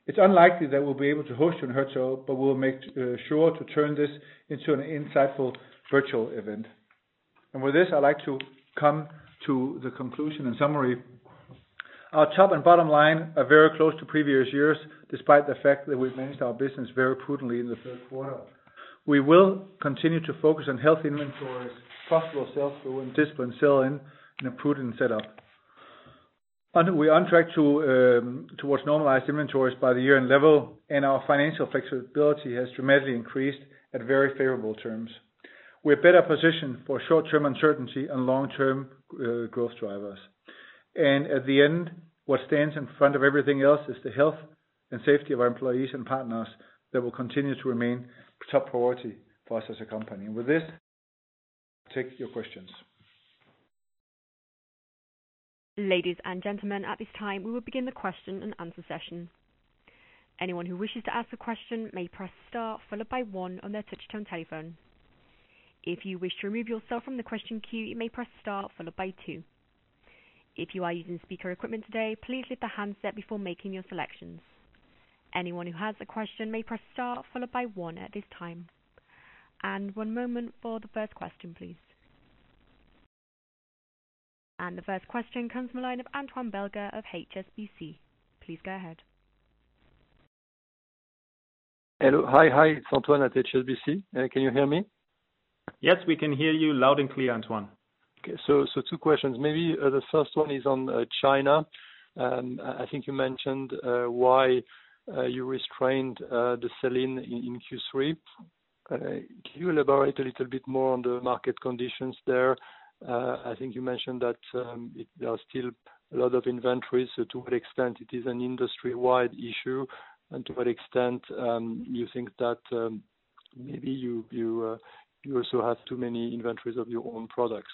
It's unlikely that we'll be able to host you in Herzogenaurach. We'll make sure to turn this into an insightful virtual event. With this, I'd like to come to the conclusion. In summary, our top and bottom line are very close to previous years, despite the fact that we've managed our business very prudently in the third quarter. We will continue to focus on healthy inventories, profitable sell-through, and disciplined sell-in, and a prudent set-up. We are on track towards normalized inventories by the year-end level, and our financial flexibility has dramatically increased at very favorable terms. We are better positioned for short-term uncertainty and long-term growth drivers. At the end, what stands in front of everything else is the health and safety of our employees and partners that will continue to remain top priority for us as a company. With this, take your questions. Ladies and gentlemen, at this time, we will begin the question and answer session. Anyone who wishes to ask a question may press star followed by one on their touchtone telephone. If you wish to remove yourself from the question queue, you may press star followed by two. If you are using speaker equipment today, please lift the handset before making your selection. Anyone who has a question may press star followed by one at this time. One moment for the first question, please. The first question comes from the line of Antoine Belge of HSBC. Please go ahead. Hello. Hi. It's Antoine at HSBC. Can you hear me? Yes, we can hear you loud and clear, Antoine. Okay. Two questions. Maybe the first one is on China. I think you mentioned why you restrained the selling in Q3. Can you elaborate a little bit more on the market conditions there? I think you mentioned that there are still a lot of inventories. To what extent it is an industry-wide issue, and to what extent you think that maybe you also have too many inventories of your own products.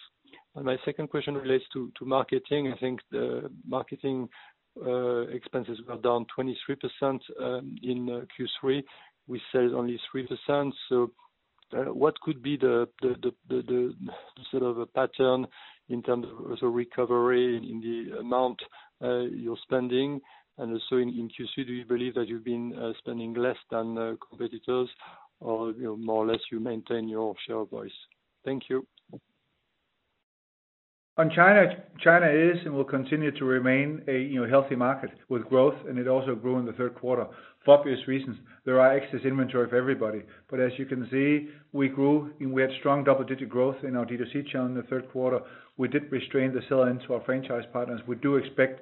My second question relates to marketing. I think the marketing expenses were down 23% in Q3, we said only 3%. What could be the sort of a pattern in terms of the recovery in the amount you're spending? Also in Q3, do you believe that you've been spending less than competitors or more or less you maintain your share voice? Thank you. China is and will continue to remain a healthy market with growth. It also grew in the third quarter. For obvious reasons, there are excess inventory for everybody. As you can see, we grew and we had strong double-digit growth in our D2C channel in the third quarter. We did restrain the sell-in to our franchise partners. We do expect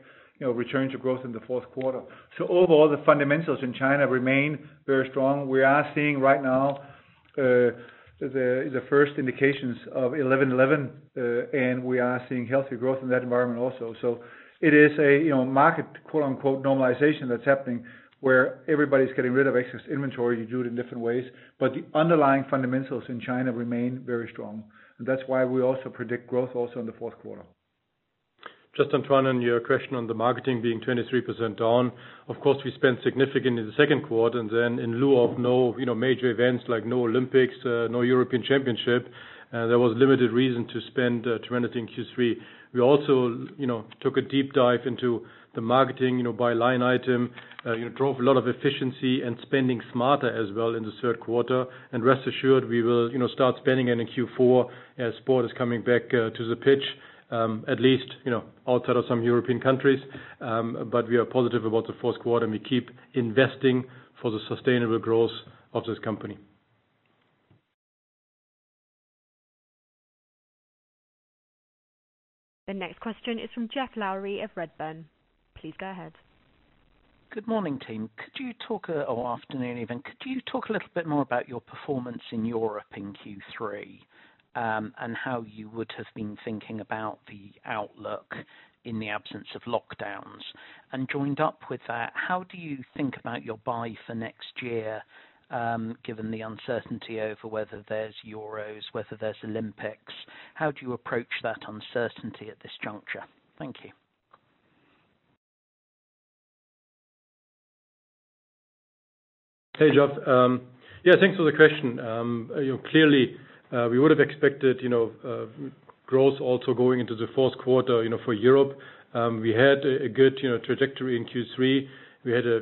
return to growth in the fourth quarter. Overall, the fundamentals in China remain very strong. We are seeing right now the first indications of 11.11. We are seeing healthy growth in that environment also. It is a market, quote-unquote, normalization that's happening where everybody's getting rid of excess inventory. You do it in different ways. The underlying fundamentals in China remain very strong. That's why we also predict growth also in the fourth quarter. Antoine, on your question on the marketing being 23% down, of course, we spent significant in the second quarter, then in lieu of no major events like no Olympics, no European Championship, there was limited reason to spend tremendous in Q3. We also took a deep dive into the marketing by line item, drove a lot of efficiency and spending smarter as well in the third quarter. Rest assured, we will start spending it in Q4 as sport is coming back to the pitch, at least outside of some European countries. We are positive about the fourth quarter, and we keep investing for the sustainable growth of this company. The next question is from Geoff Lowery of Redburn. Please go ahead. Good morning, team. Could you talk, or afternoon even, could you talk a little bit more about your performance in Europe in Q3, and how you would have been thinking about the outlook in the absence of lockdowns? Joined up with that, how do you think about your buy for next year, given the uncertainty over whether there's Euros, whether there's Olympics? How do you approach that uncertainty at this juncture? Thank you. Hey, Geoff. Yeah, thanks for the question. Clearly, we would have expected growth also going into the fourth quarter for Europe. We had a good trajectory in Q3. We had a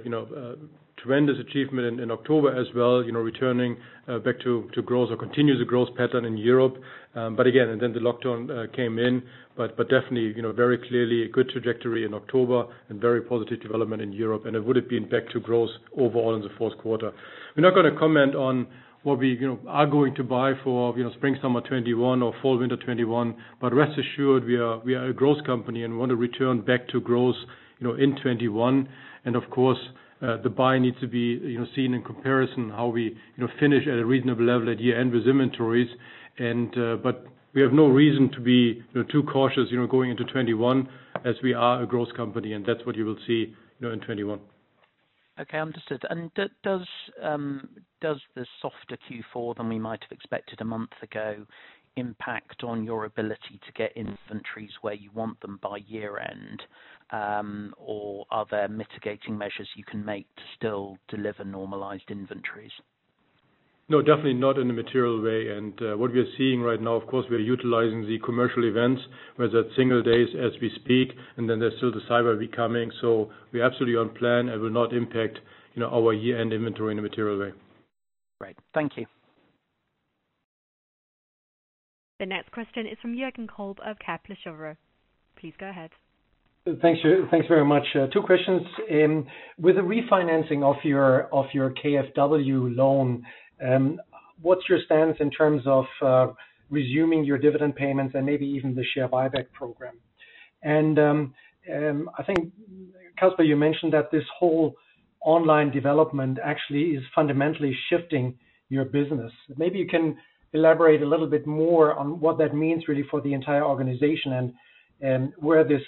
tremendous achievement in October as well, returning back to growth or continue the growth pattern in Europe. Again, and then the lockdown came in. Definitely, very clearly a good trajectory in October and very positive development in Europe, and it would have been back to growth overall in the fourth quarter. We're not going to comment on what we are going to buy for spring, summer 2021 or fall, winter 2021. Rest assured, we are a growth company, and we want to return back to growth in 2021. Of course, the buy needs to be seen in comparison how we finish at a reasonable level at year-end with inventories. We have no reason to be too cautious going into 2021 as we are a growth company, and that's what you will see in 2021. Okay, understood. Does the softer Q4 than we might have expected a month ago impact on your ability to get inventories where you want them by year-end? Are there mitigating measures you can make to still deliver normalized inventories? No, definitely not in a material way. What we are seeing right now, of course, we are utilizing the commercial events, whether it's Singles Day as we speak, and then there's still the Cyber Week coming. We're absolutely on plan and will not impact our year-end inventory in a material way. Great. Thank you. The next question is from Jürgen Kolb of Kepler Cheuvreux. Please go ahead. Thanks very much. Two questions. With the refinancing of your KfW loan, what's your stance in terms of resuming your dividend payments and maybe even the share buyback program? Kasper, you mentioned that this whole online development actually is fundamentally shifting your business. Maybe you can elaborate a little bit more on what that means really for the entire organization and where this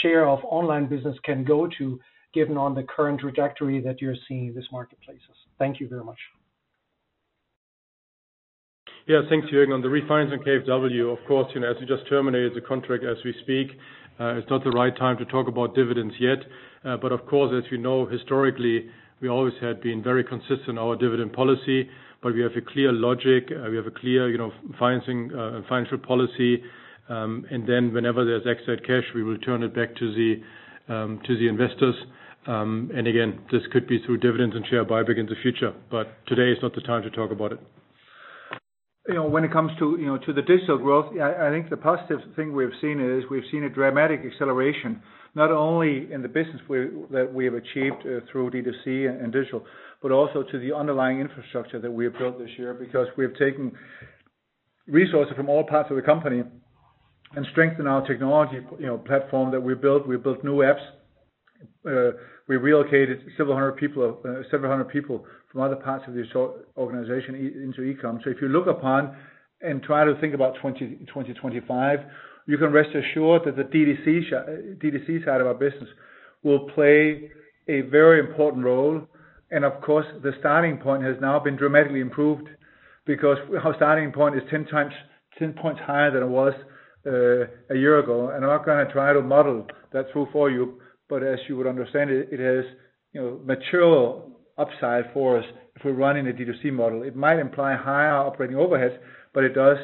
share of online business can go to given on the current trajectory that you're seeing these marketplaces. Thank you very much. Yeah, thanks, Jürgen. On the refinancing of KfW, of course, as we just terminated the contract as we speak, it's not the right time to talk about dividends yet. Of course, as you know, historically, we always had been very consistent in our dividend policy. We have a clear logic. We have a clear financing financial policy. Whenever there's excess cash, we will return it back to the investors. Again, this could be through dividends and share buyback in the future. Today is not the time to talk about it. When it comes to the digital growth, I think the positive thing we've seen is we've seen a dramatic acceleration, not only in the business that we have achieved through D2C and digital, but also to the underlying infrastructure that we have built this year because we have taken resources from all parts of the company and strengthened our technology platform that we built. We built new apps. We relocated several hundred people from other parts of the organization into e-com. If you look upon and try to think about 2025, you can rest assured that the D2C side of our business will play a very important role. Of course, the starting point has now been dramatically improved because our starting point is 10 points higher than it was a year ago. I'm not going to try to model that through for you, but as you would understand it has material upside for us if we're running a D2C model. It might imply higher operating overheads, but it does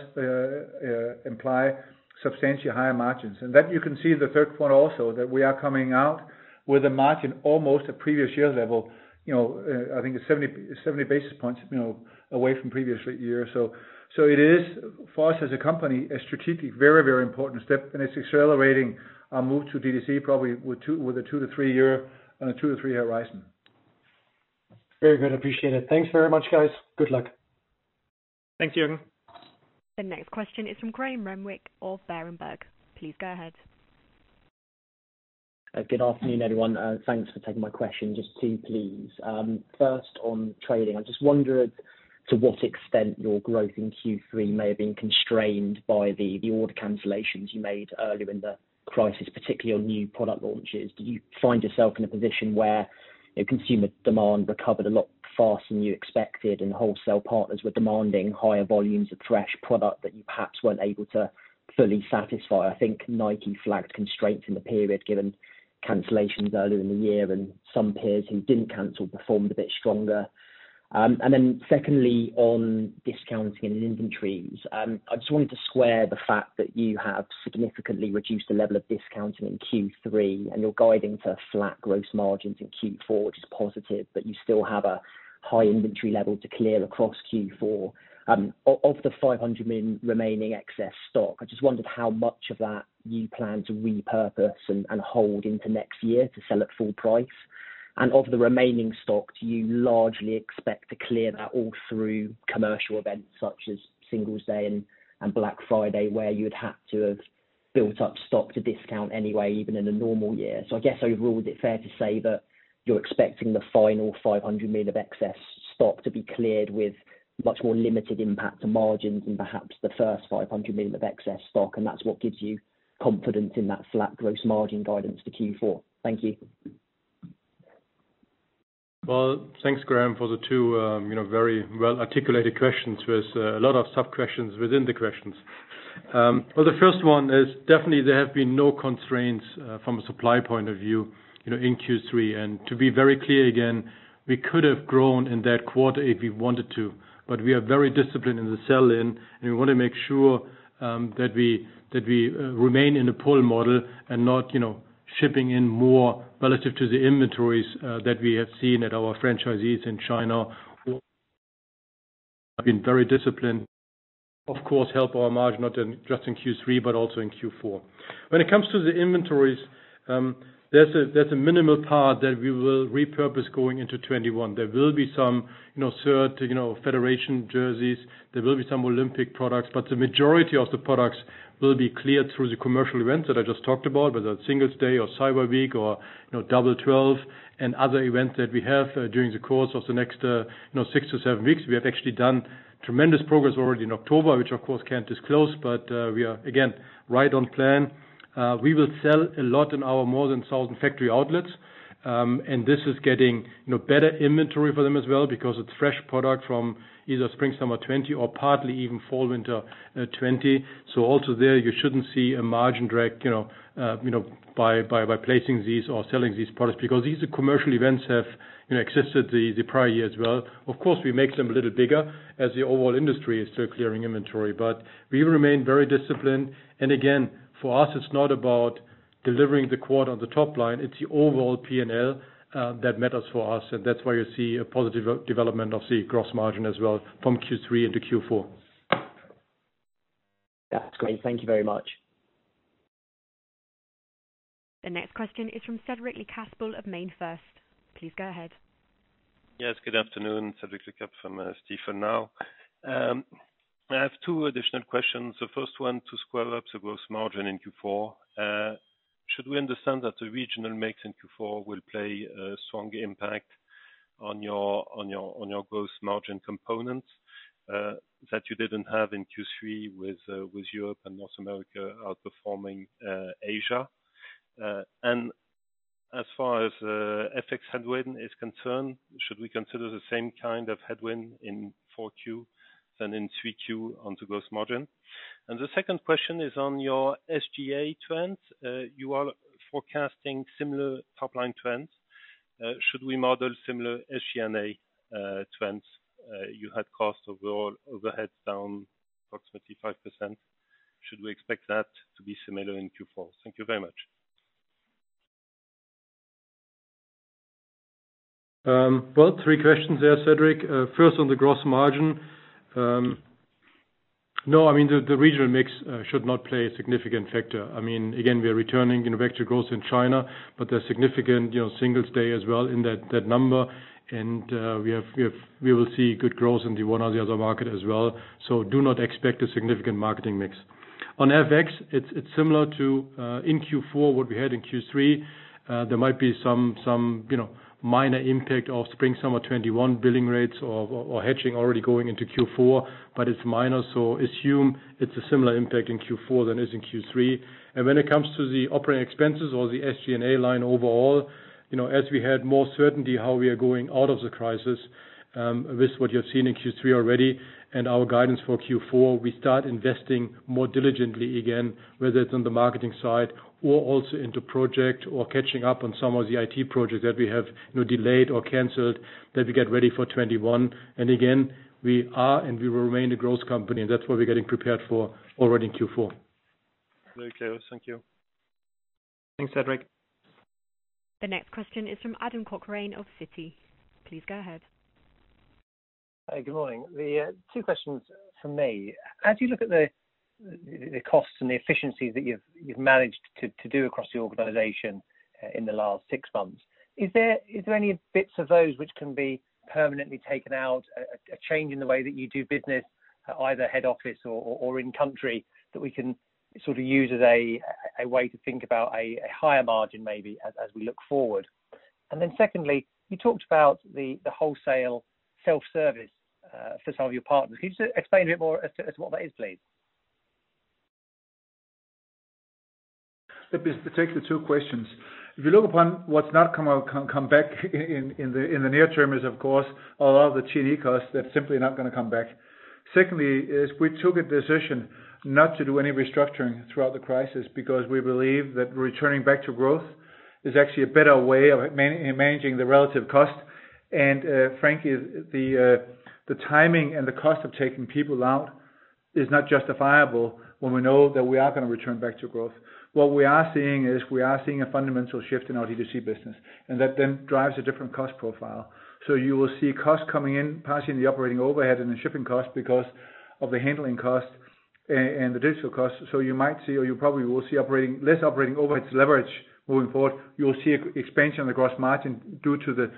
imply substantially higher margins. That you can see the third point also that we are coming out with a margin almost at previous year level. I think it's 70 basis points away from previous year. It is for us as a company, a strategic very, very important step and it's accelerating our move to D2C probably on a two to three horizon. Very good. Appreciate it. Thanks very much, guys. Good luck. Thanks, Jürgen. The next question is from Graham Renwick of Berenberg. Please go ahead. Good afternoon, everyone. Thanks for taking my question. Just two, please. First on trading, I just wondered to what extent your growth in Q3 may have been constrained by the order cancellations you made earlier in the crisis, particularly on new product launches. Do you find yourself in a position where consumer demand recovered a lot faster than you expected and wholesale partners were demanding higher volumes of fresh product that you perhaps weren't able to fully satisfy? I think Nike flagged constraints in the period given cancellations earlier in the year and some peers who didn't cancel performed a bit stronger. Secondly, on discounting and inventories. I just wanted to square the fact that you have significantly reduced the level of discounting in Q3 and you're guiding for flat gross margins in Q4, which is positive, but you still have a high inventory level to clear across Q4. Of the 500 million remaining excess stock, I just wondered how much of that you plan to repurpose and hold into next year to sell at full price. Of the remaining stock, do you largely expect to clear that all through commercial events such as Singles' Day and Black Friday where you would have to have built up stock to discount anyway even in a normal year? I guess overall is it fair to say that you're expecting the final 500 million of excess stock to be cleared with much more limited impact to margins than perhaps the first 500 million of excess stock and that's what gives you confidence in that flat gross margin guidance for Q4? Thank you. Well, thanks Graham for the two very well-articulated questions with a lot of sub-questions within the questions. Well, the first one is definitely there have been no constraints from a supply point of view in Q3. To be very clear again, we could have grown in that quarter if we wanted to, but we are very disciplined in the sell-in and we want to make sure that we remain in a pull model and not shipping in more relative to the inventories that we have seen at our franchisees in China been very disciplined. Of course, it helps our margin not in just in Q3 but also in Q4. When it comes to the inventories, there's a minimal part that we will repurpose going into 2021. There will be some third federation jerseys. There will be some Olympic products. The majority of the products will be cleared through the commercial events that I just talked about, whether it's Singles' Day or Cyber Week or Double Twelve and other events that we have during the course of the next six to seven weeks. We have actually done tremendous progress already in October, which of course can't disclose, but we are again right on plan. We will sell a lot in our more than 1,000 factory outlets, and this is getting better inventory for them as well because it's fresh product from either spring, summer 2020 or partly even fall, winter 2020. Also there you shouldn't see a margin drag by placing these or selling these products because these commercial events have existed the prior year as well. Of course, we make them a little bigger as the overall industry is still clearing inventory but we remain very disciplined. Again, for us it's not about delivering the quarter on the top line, it's the overall P&L that matters for us and that's why you see a positive development of the gross margin as well from Q3 into Q4. That's great. Thank you very much. The next question is from Cédric Lecasble of Stifel. Please go ahead. Yes. Good afternoon, Cédric Lecasble from Stifel. I have two additional questions. The first one, to square up the gross margin in Q4, should we understand that the regional mix in Q4 will play a strong impact on your gross margin components that you didn't have in Q3 with Europe and North America outperforming Asia? As far as FX headwind is concerned, should we consider the same kind of headwind in 4Q than in 3Q on the gross margin? The second question is on your SG&A trends. You are forecasting similar top-line trends. Should we model similar SG&A trends? You had costs overall overheads down approximately 5%. Should we expect that to be similar in Q4? Thank you very much. Well, three questions there, Cédric. First on the gross margin. The regional mix should not play a significant factor. We are returning back to growth in China, there's significant Singles Day as well in that number. We will see good growth in one or the other market as well. Do not expect a significant marketing mix. On FX, it's similar to in Q4 what we had in Q3. There might be some minor impact of spring/summer 2021 billing rates or hedging already going into Q4, it's minor. Assume it's a similar impact in Q4 than is in Q3. When it comes to the operating expenses or the SG&A line overall, as we had more certainty how we are going out of the crisis, with what you have seen in Q3 already and our guidance for Q4, we start investing more diligently again, whether it's on the marketing side or also into project or catching up on some of the IT projects that we have delayed or canceled that we get ready for 2021. Again, we are and we will remain a growth company, and that's what we're getting prepared for already in Q4. Very clear. Thank you. Thanks, Cédric. The next question is from Adam Cochrane of Citi. Please go ahead. Good morning. The two questions from me. As you look at the costs and the efficiencies that you've managed to do across the organization in the last six months, is there any bits of those which can be permanently taken out, a change in the way that you do business, either head office or in country, that we can sort of use as a way to think about a higher margin maybe as we look forward? Secondly, you talked about the wholesale self-service for some of your partners. Can you just explain a bit more as to what that is, please? Let me just take the two questions. If you look upon what's not come back in the near term is, of course, a lot of the T&E costs that's simply not going to come back. We took a decision not to do any restructuring throughout the crisis because we believe that returning back to growth is actually a better way of managing the relative cost. Frankly, the timing and the cost of taking people out is not justifiable when we know that we are going to return back to growth. What we are seeing is we are seeing a fundamental shift in our D2C business, and that then drives a different cost profile. You will see costs coming in, partly in the operating overhead and the shipping cost because of the handling cost and the digital cost. You might see, or you probably will see less operating overheads leverage moving forward. You will see expansion of the gross margin due to the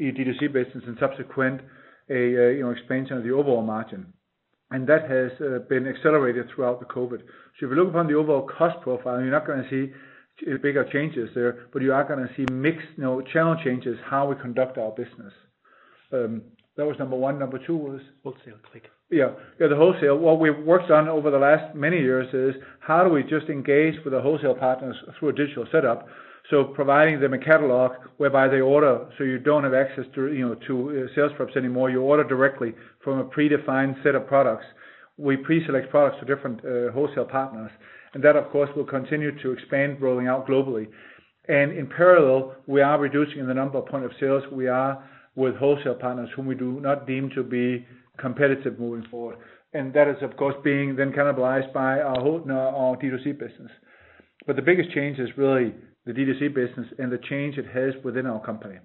D2C business and subsequent expansion of the overall margin. That has been accelerated throughout the COVID. If you look upon the overall cost profile, you're not going to see bigger changes there, but you are going to see mixed channel changes, how we conduct our business. That was number one. Number two was? Wholesale CLICK. Yeah. The wholesale, what we've worked on over the last many years is how do we just engage with the wholesale partners through a digital setup? Providing them a catalog whereby they order, you don't have access to sales reps anymore. You order directly from a predefined set of products. We pre-select products for different wholesale partners, that, of course, will continue to expand rolling out globally. In parallel, we are reducing the number of point of sales we are with wholesale partners whom we do not deem to be competitive moving forward. That is, of course, being then cannibalized by our D2C business. The biggest change is really the D2C business and the change it has within our company.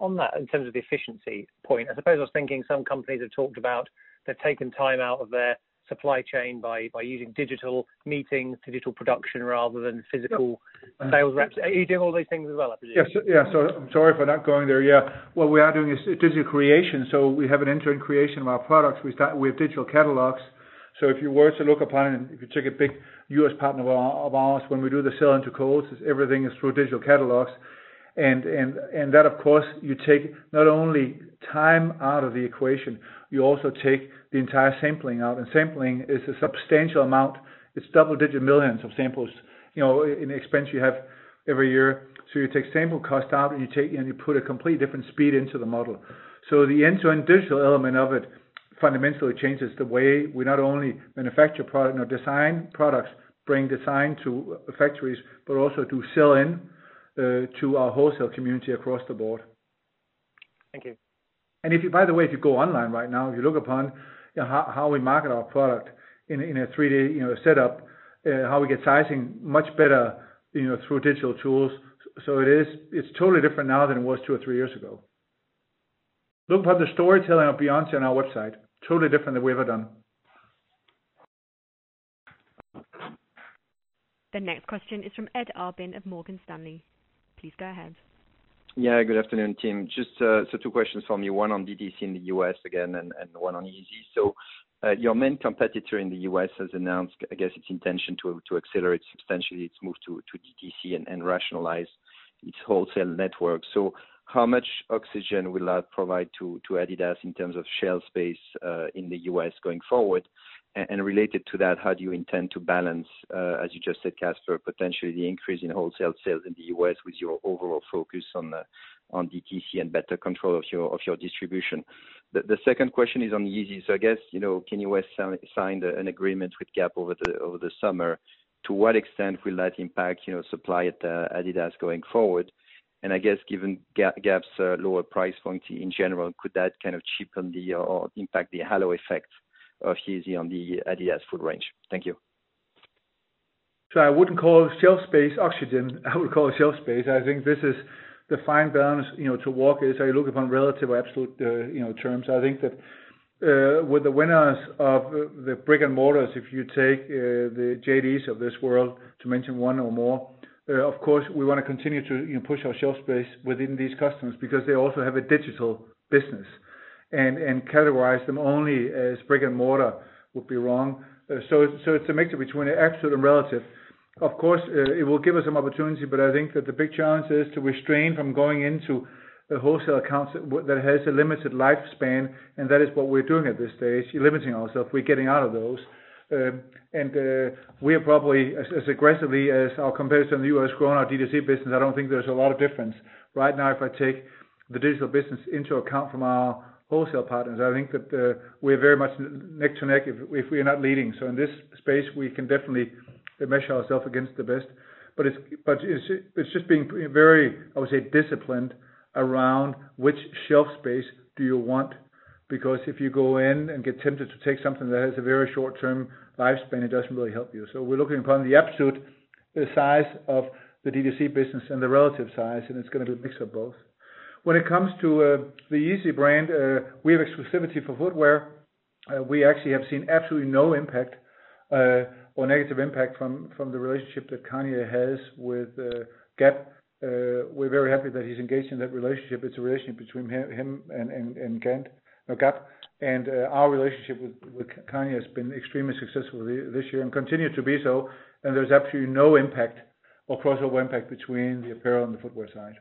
On that, in terms of the efficiency point, I suppose I was thinking some companies have talked about they're taking time out of their supply chain by using digital meetings, digital production, rather than physical sales reps. Are you doing all these things as well, I presume? Sorry for not going there. What we are doing is digital creation. We have an end-to-end creation of our products. We have digital catalogs. If you were to look upon, and if you took a big U.S. partner of ours, when we do the sell into Kohl's, everything is through digital catalogs. That, of course, you take not only time out of the equation, you also take the entire sampling out. Sampling is a substantial amount. It's double-digit millions of samples, in expense you have every year. You take sample cost out and you put a complete different speed into the model. The end-to-end digital element of it fundamentally changes the way we not only manufacture product or design products, bring design to factories, but also to sell in to our wholesale community across the board. Thank you. By the way, if you go online right now, if you look upon how we market our product in a 3D setup, how we get sizing much better through digital tools. It's totally different now than it was two or three years ago. Look upon the storytelling of Beyoncé on our website. Totally different than we've ever done. The next question is from Edouard Aubin of Morgan Stanley. Please go ahead. Good afternoon, team. Just two questions from me, one on DTC in the U.S. again, and one on Yeezy. Your main competitor in the U.S. has announced, I guess, its intention to accelerate substantially its move to DTC and rationalize its wholesale network. How much oxygen will that provide to adidas in terms of shelf space in the U.S. going forward? Related to that, how do you intend to balance, as you just said, Kasper, potentially the increase in wholesale sales in the U.S. with your overall focus on DTC and better control of your distribution? The second question is on Yeezy. I guess, Kanye West signed an agreement with Gap over the summer. To what extent will that impact supply at adidas going forward? I guess, given Gap's lower price point in general, could that kind of chip on the or impact the halo effect of Yeezy on the adidas full range? Thank you. I wouldn't call shelf space oxygen, I would call it shelf space. I think this is the fine balance to walk as I look upon relative absolute terms. I think that with the winners of the brick-and-mortars, if you take the JDs of this world to mention one or more, of course, we want to continue to push our shelf space within these customers because they also have a digital business, and categorize them only as brick-and-mortar would be wrong. It's a mixture between absolute and relative. Of course, it will give us some opportunity, but I think that the big challenge is to restrain from going into a wholesale account that has a limited lifespan, and that is what we're doing at this stage, limiting ourselves. We're getting out of those. We are probably as aggressively as our competitors in the U.S. growing our DTC business. I don't think there's a lot of difference. Right now, if I take the digital business into account from our wholesale partners, I think that we're very much neck to neck if we are not leading. In this space, we can definitely measure ourself against the best, but it's just being very, I would say, disciplined around which shelf space do you want, because if you go in and get tempted to take something that has a very short-term lifespan, it doesn't really help you. We're looking upon the absolute size of the DTC business and the relative size, and it's going to be a mix of both. When it comes to the Yeezy brand, we have exclusivity for footwear. We actually have seen absolutely no impact or negative impact from the relationship that Kanye has with Gap. We're very happy that he's engaged in that relationship. It's a relationship between him and Gap. Our relationship with Kanye has been extremely successful this year and continue to be so, and there's absolutely no impact or crossover impact between the apparel and the footwear side.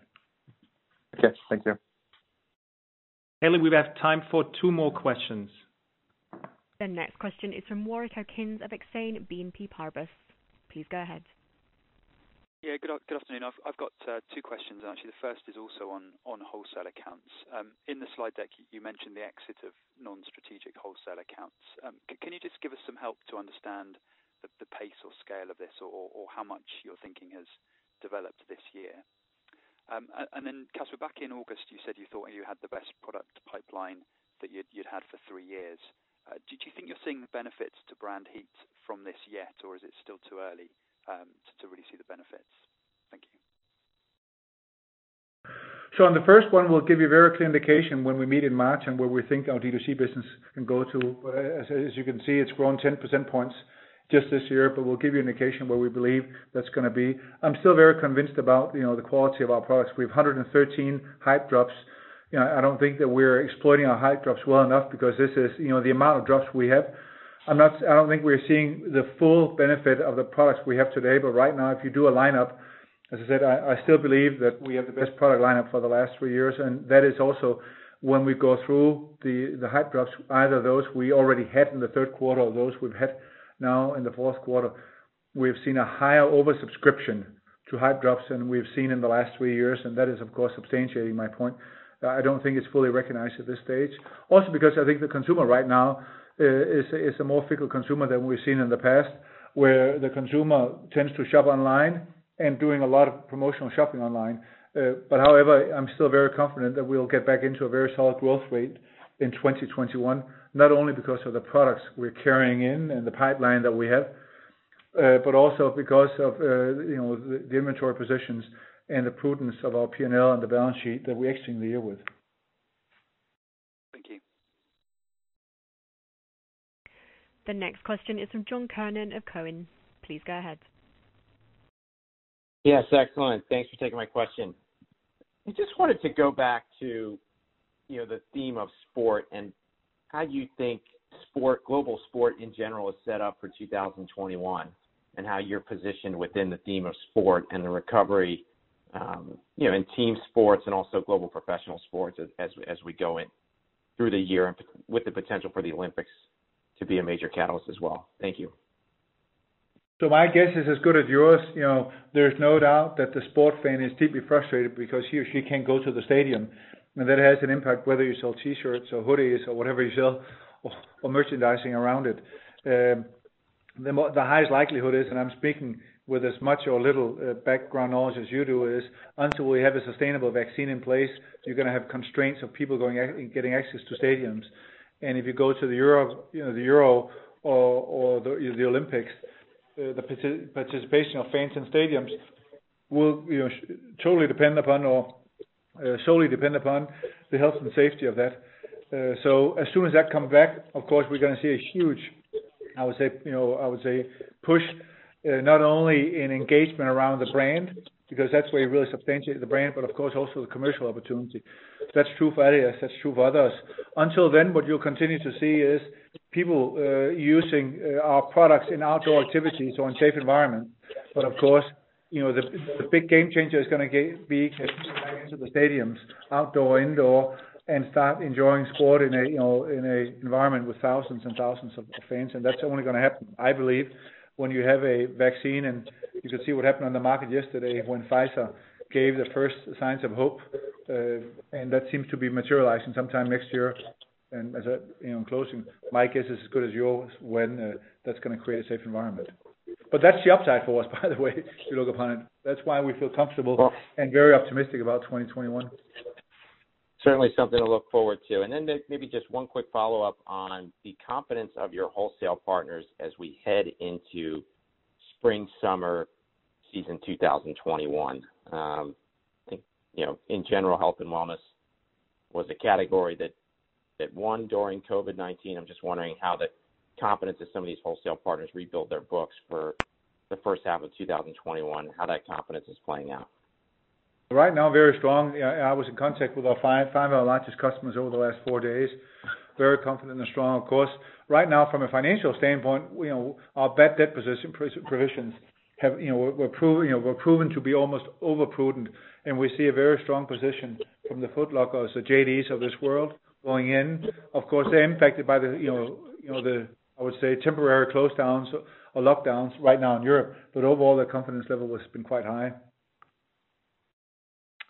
Okay. Thank you. Hayley, we have time for two more questions. The next question is from Warwick Okines of Exane BNP Paribas. Please go ahead. Yeah. Good afternoon. I've got two questions actually. The first is also on wholesale accounts. In the slide deck, you mentioned the exit of non-strategic wholesale accounts. Can you just give us some help to understand the pace or scale of this, or how much your thinking has developed this year? Then Kasper, back in August, you said you thought you had the best product pipeline that you'd had for three years. Do you think you're seeing the benefits to brand heat from this yet, or is it still too early to really see the benefits? Thank you. On the first one, we'll give you a very clear indication when we meet in March and where we think our DTC business can go to. As you can see, it's grown 10% points just this year, but we'll give you indication where we believe that's going to be. I'm still very convinced about the quality of our products. We have 113 hype drops. I don't think that we're exploiting our hype drops well enough because this is the amount of drops we have. I don't think we're seeing the full benefit of the products we have today. Right now, if you do a lineup, as I said, I still believe that we have the best product lineup for the last three years, and that is also when we go through the hype drops, either those we already had in the third quarter or those we've had now in the fourth quarter. We've seen a higher oversubscription to hype drops than we've seen in the last three years, and that is of course substantiating my point. I don't think it's fully recognized at this stage. Because I think the consumer right now is a more fickle consumer than we've seen in the past, where the consumer tends to shop online and doing a lot of promotional shopping online. However, I'm still very confident that we'll get back into a very solid growth rate in 2021. Not only because of the products we're carrying in and the pipeline that we have, but also because of the inventory positions and the prudence of our P&L and the balance sheet that we're exiting the year with. Thank you. The next question is from John Kernan of Cowen. Please go ahead. Yes, excellent. Thanks for taking my question. I just wanted to go back to the theme of sport and how you think global sport in general is set up for 2021. How you're positioned within the theme of sport and the recovery, in team sports and also global professional sports as we go in through the year with the potential for the Olympics to be a major catalyst as well. Thank you. My guess is as good as yours. There's no doubt that the sport fan is deeply frustrated because he or she can't go to the stadium, and that has an impact whether you sell T-shirts or hoodies or whatever you sell, or merchandising around it. The highest likelihood is, and I'm speaking with as much or little background knowledge as you do is, until we have a sustainable vaccine in place, you're going to have constraints of people getting access to stadiums. If you go to the Euro or the Olympics, the participation of fans in stadiums will solely depend upon the health and safety of that. As soon as that comes back, of course, we're going to see a huge, I would say, push, not only in engagement around the brand, because that's where you really substantiate the brand, but of course also the commercial opportunity. That's true for adidas, that's true for others. Until then, what you'll continue to see is people using our products in outdoor activities or in safe environment. Of course, the big game changer is going to be getting back into the stadiums, outdoor, indoor, and start enjoying sport in an environment with thousands and thousands of fans. That's only going to happen, I believe, when you have a vaccine, and you could see what happened on the market yesterday when Pfizer gave the first signs of hope, and that seems to be materializing sometime next year. As I, in closing, my guess is as good as yours when that's going to create a safe environment. That's the upside for us, by the way, if you look upon it. That's why we feel comfortable and very optimistic about 2021. Certainly something to look forward to. Maybe just one quick follow-up on the confidence of your wholesale partners as we head into spring, summer season 2021. In general, health and wellness was a category that won during COVID-19. I'm just wondering how the confidence of some of these wholesale partners rebuild their books for the first half of 2021, how that confidence is playing out. Right now, very strong. I was in contact with five of our largest customers over the last four days. Very confident and strong, of course. Right now, from a financial standpoint, our bad debt provisions were proven to be almost over-prudent. We see a very strong position from the Foot Lockers, the JDs of this world going in. Of course, they're impacted by the, I would say, temporary close downs or lockdowns right now in Europe. Overall, the confidence level has been quite high.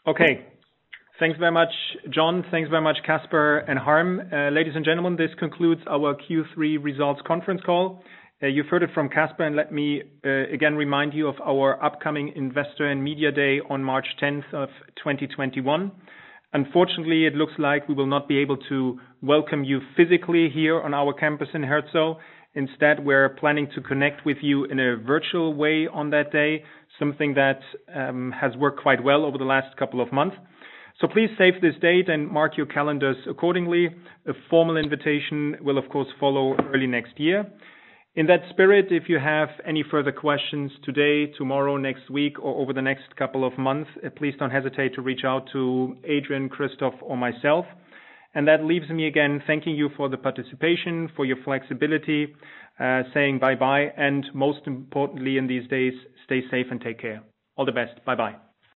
Okay. Thanks very much, John. Thanks very much, Kasper and Harm. Ladies and gentlemen, this concludes our Q3 results conference call. Let me again remind you of our upcoming Investor and Media Day on March 10, 2021. Unfortunately, it looks like we will not be able to welcome you physically here on our campus in Herzogenaurach. Instead, we're planning to connect with you in a virtual way on that day, something that has worked quite well over the last couple of months. Please save this date and mark your calendars accordingly. A formal invitation will, of course, follow early next year. In that spirit, if you have any further questions today, tomorrow, next week or over the next couple of months, please don't hesitate to reach out to Adrian, Christoph or myself. That leaves me again, thanking you for the participation, for your flexibility, saying bye-bye, and most importantly in these days, stay safe and take care. All the best. Bye-bye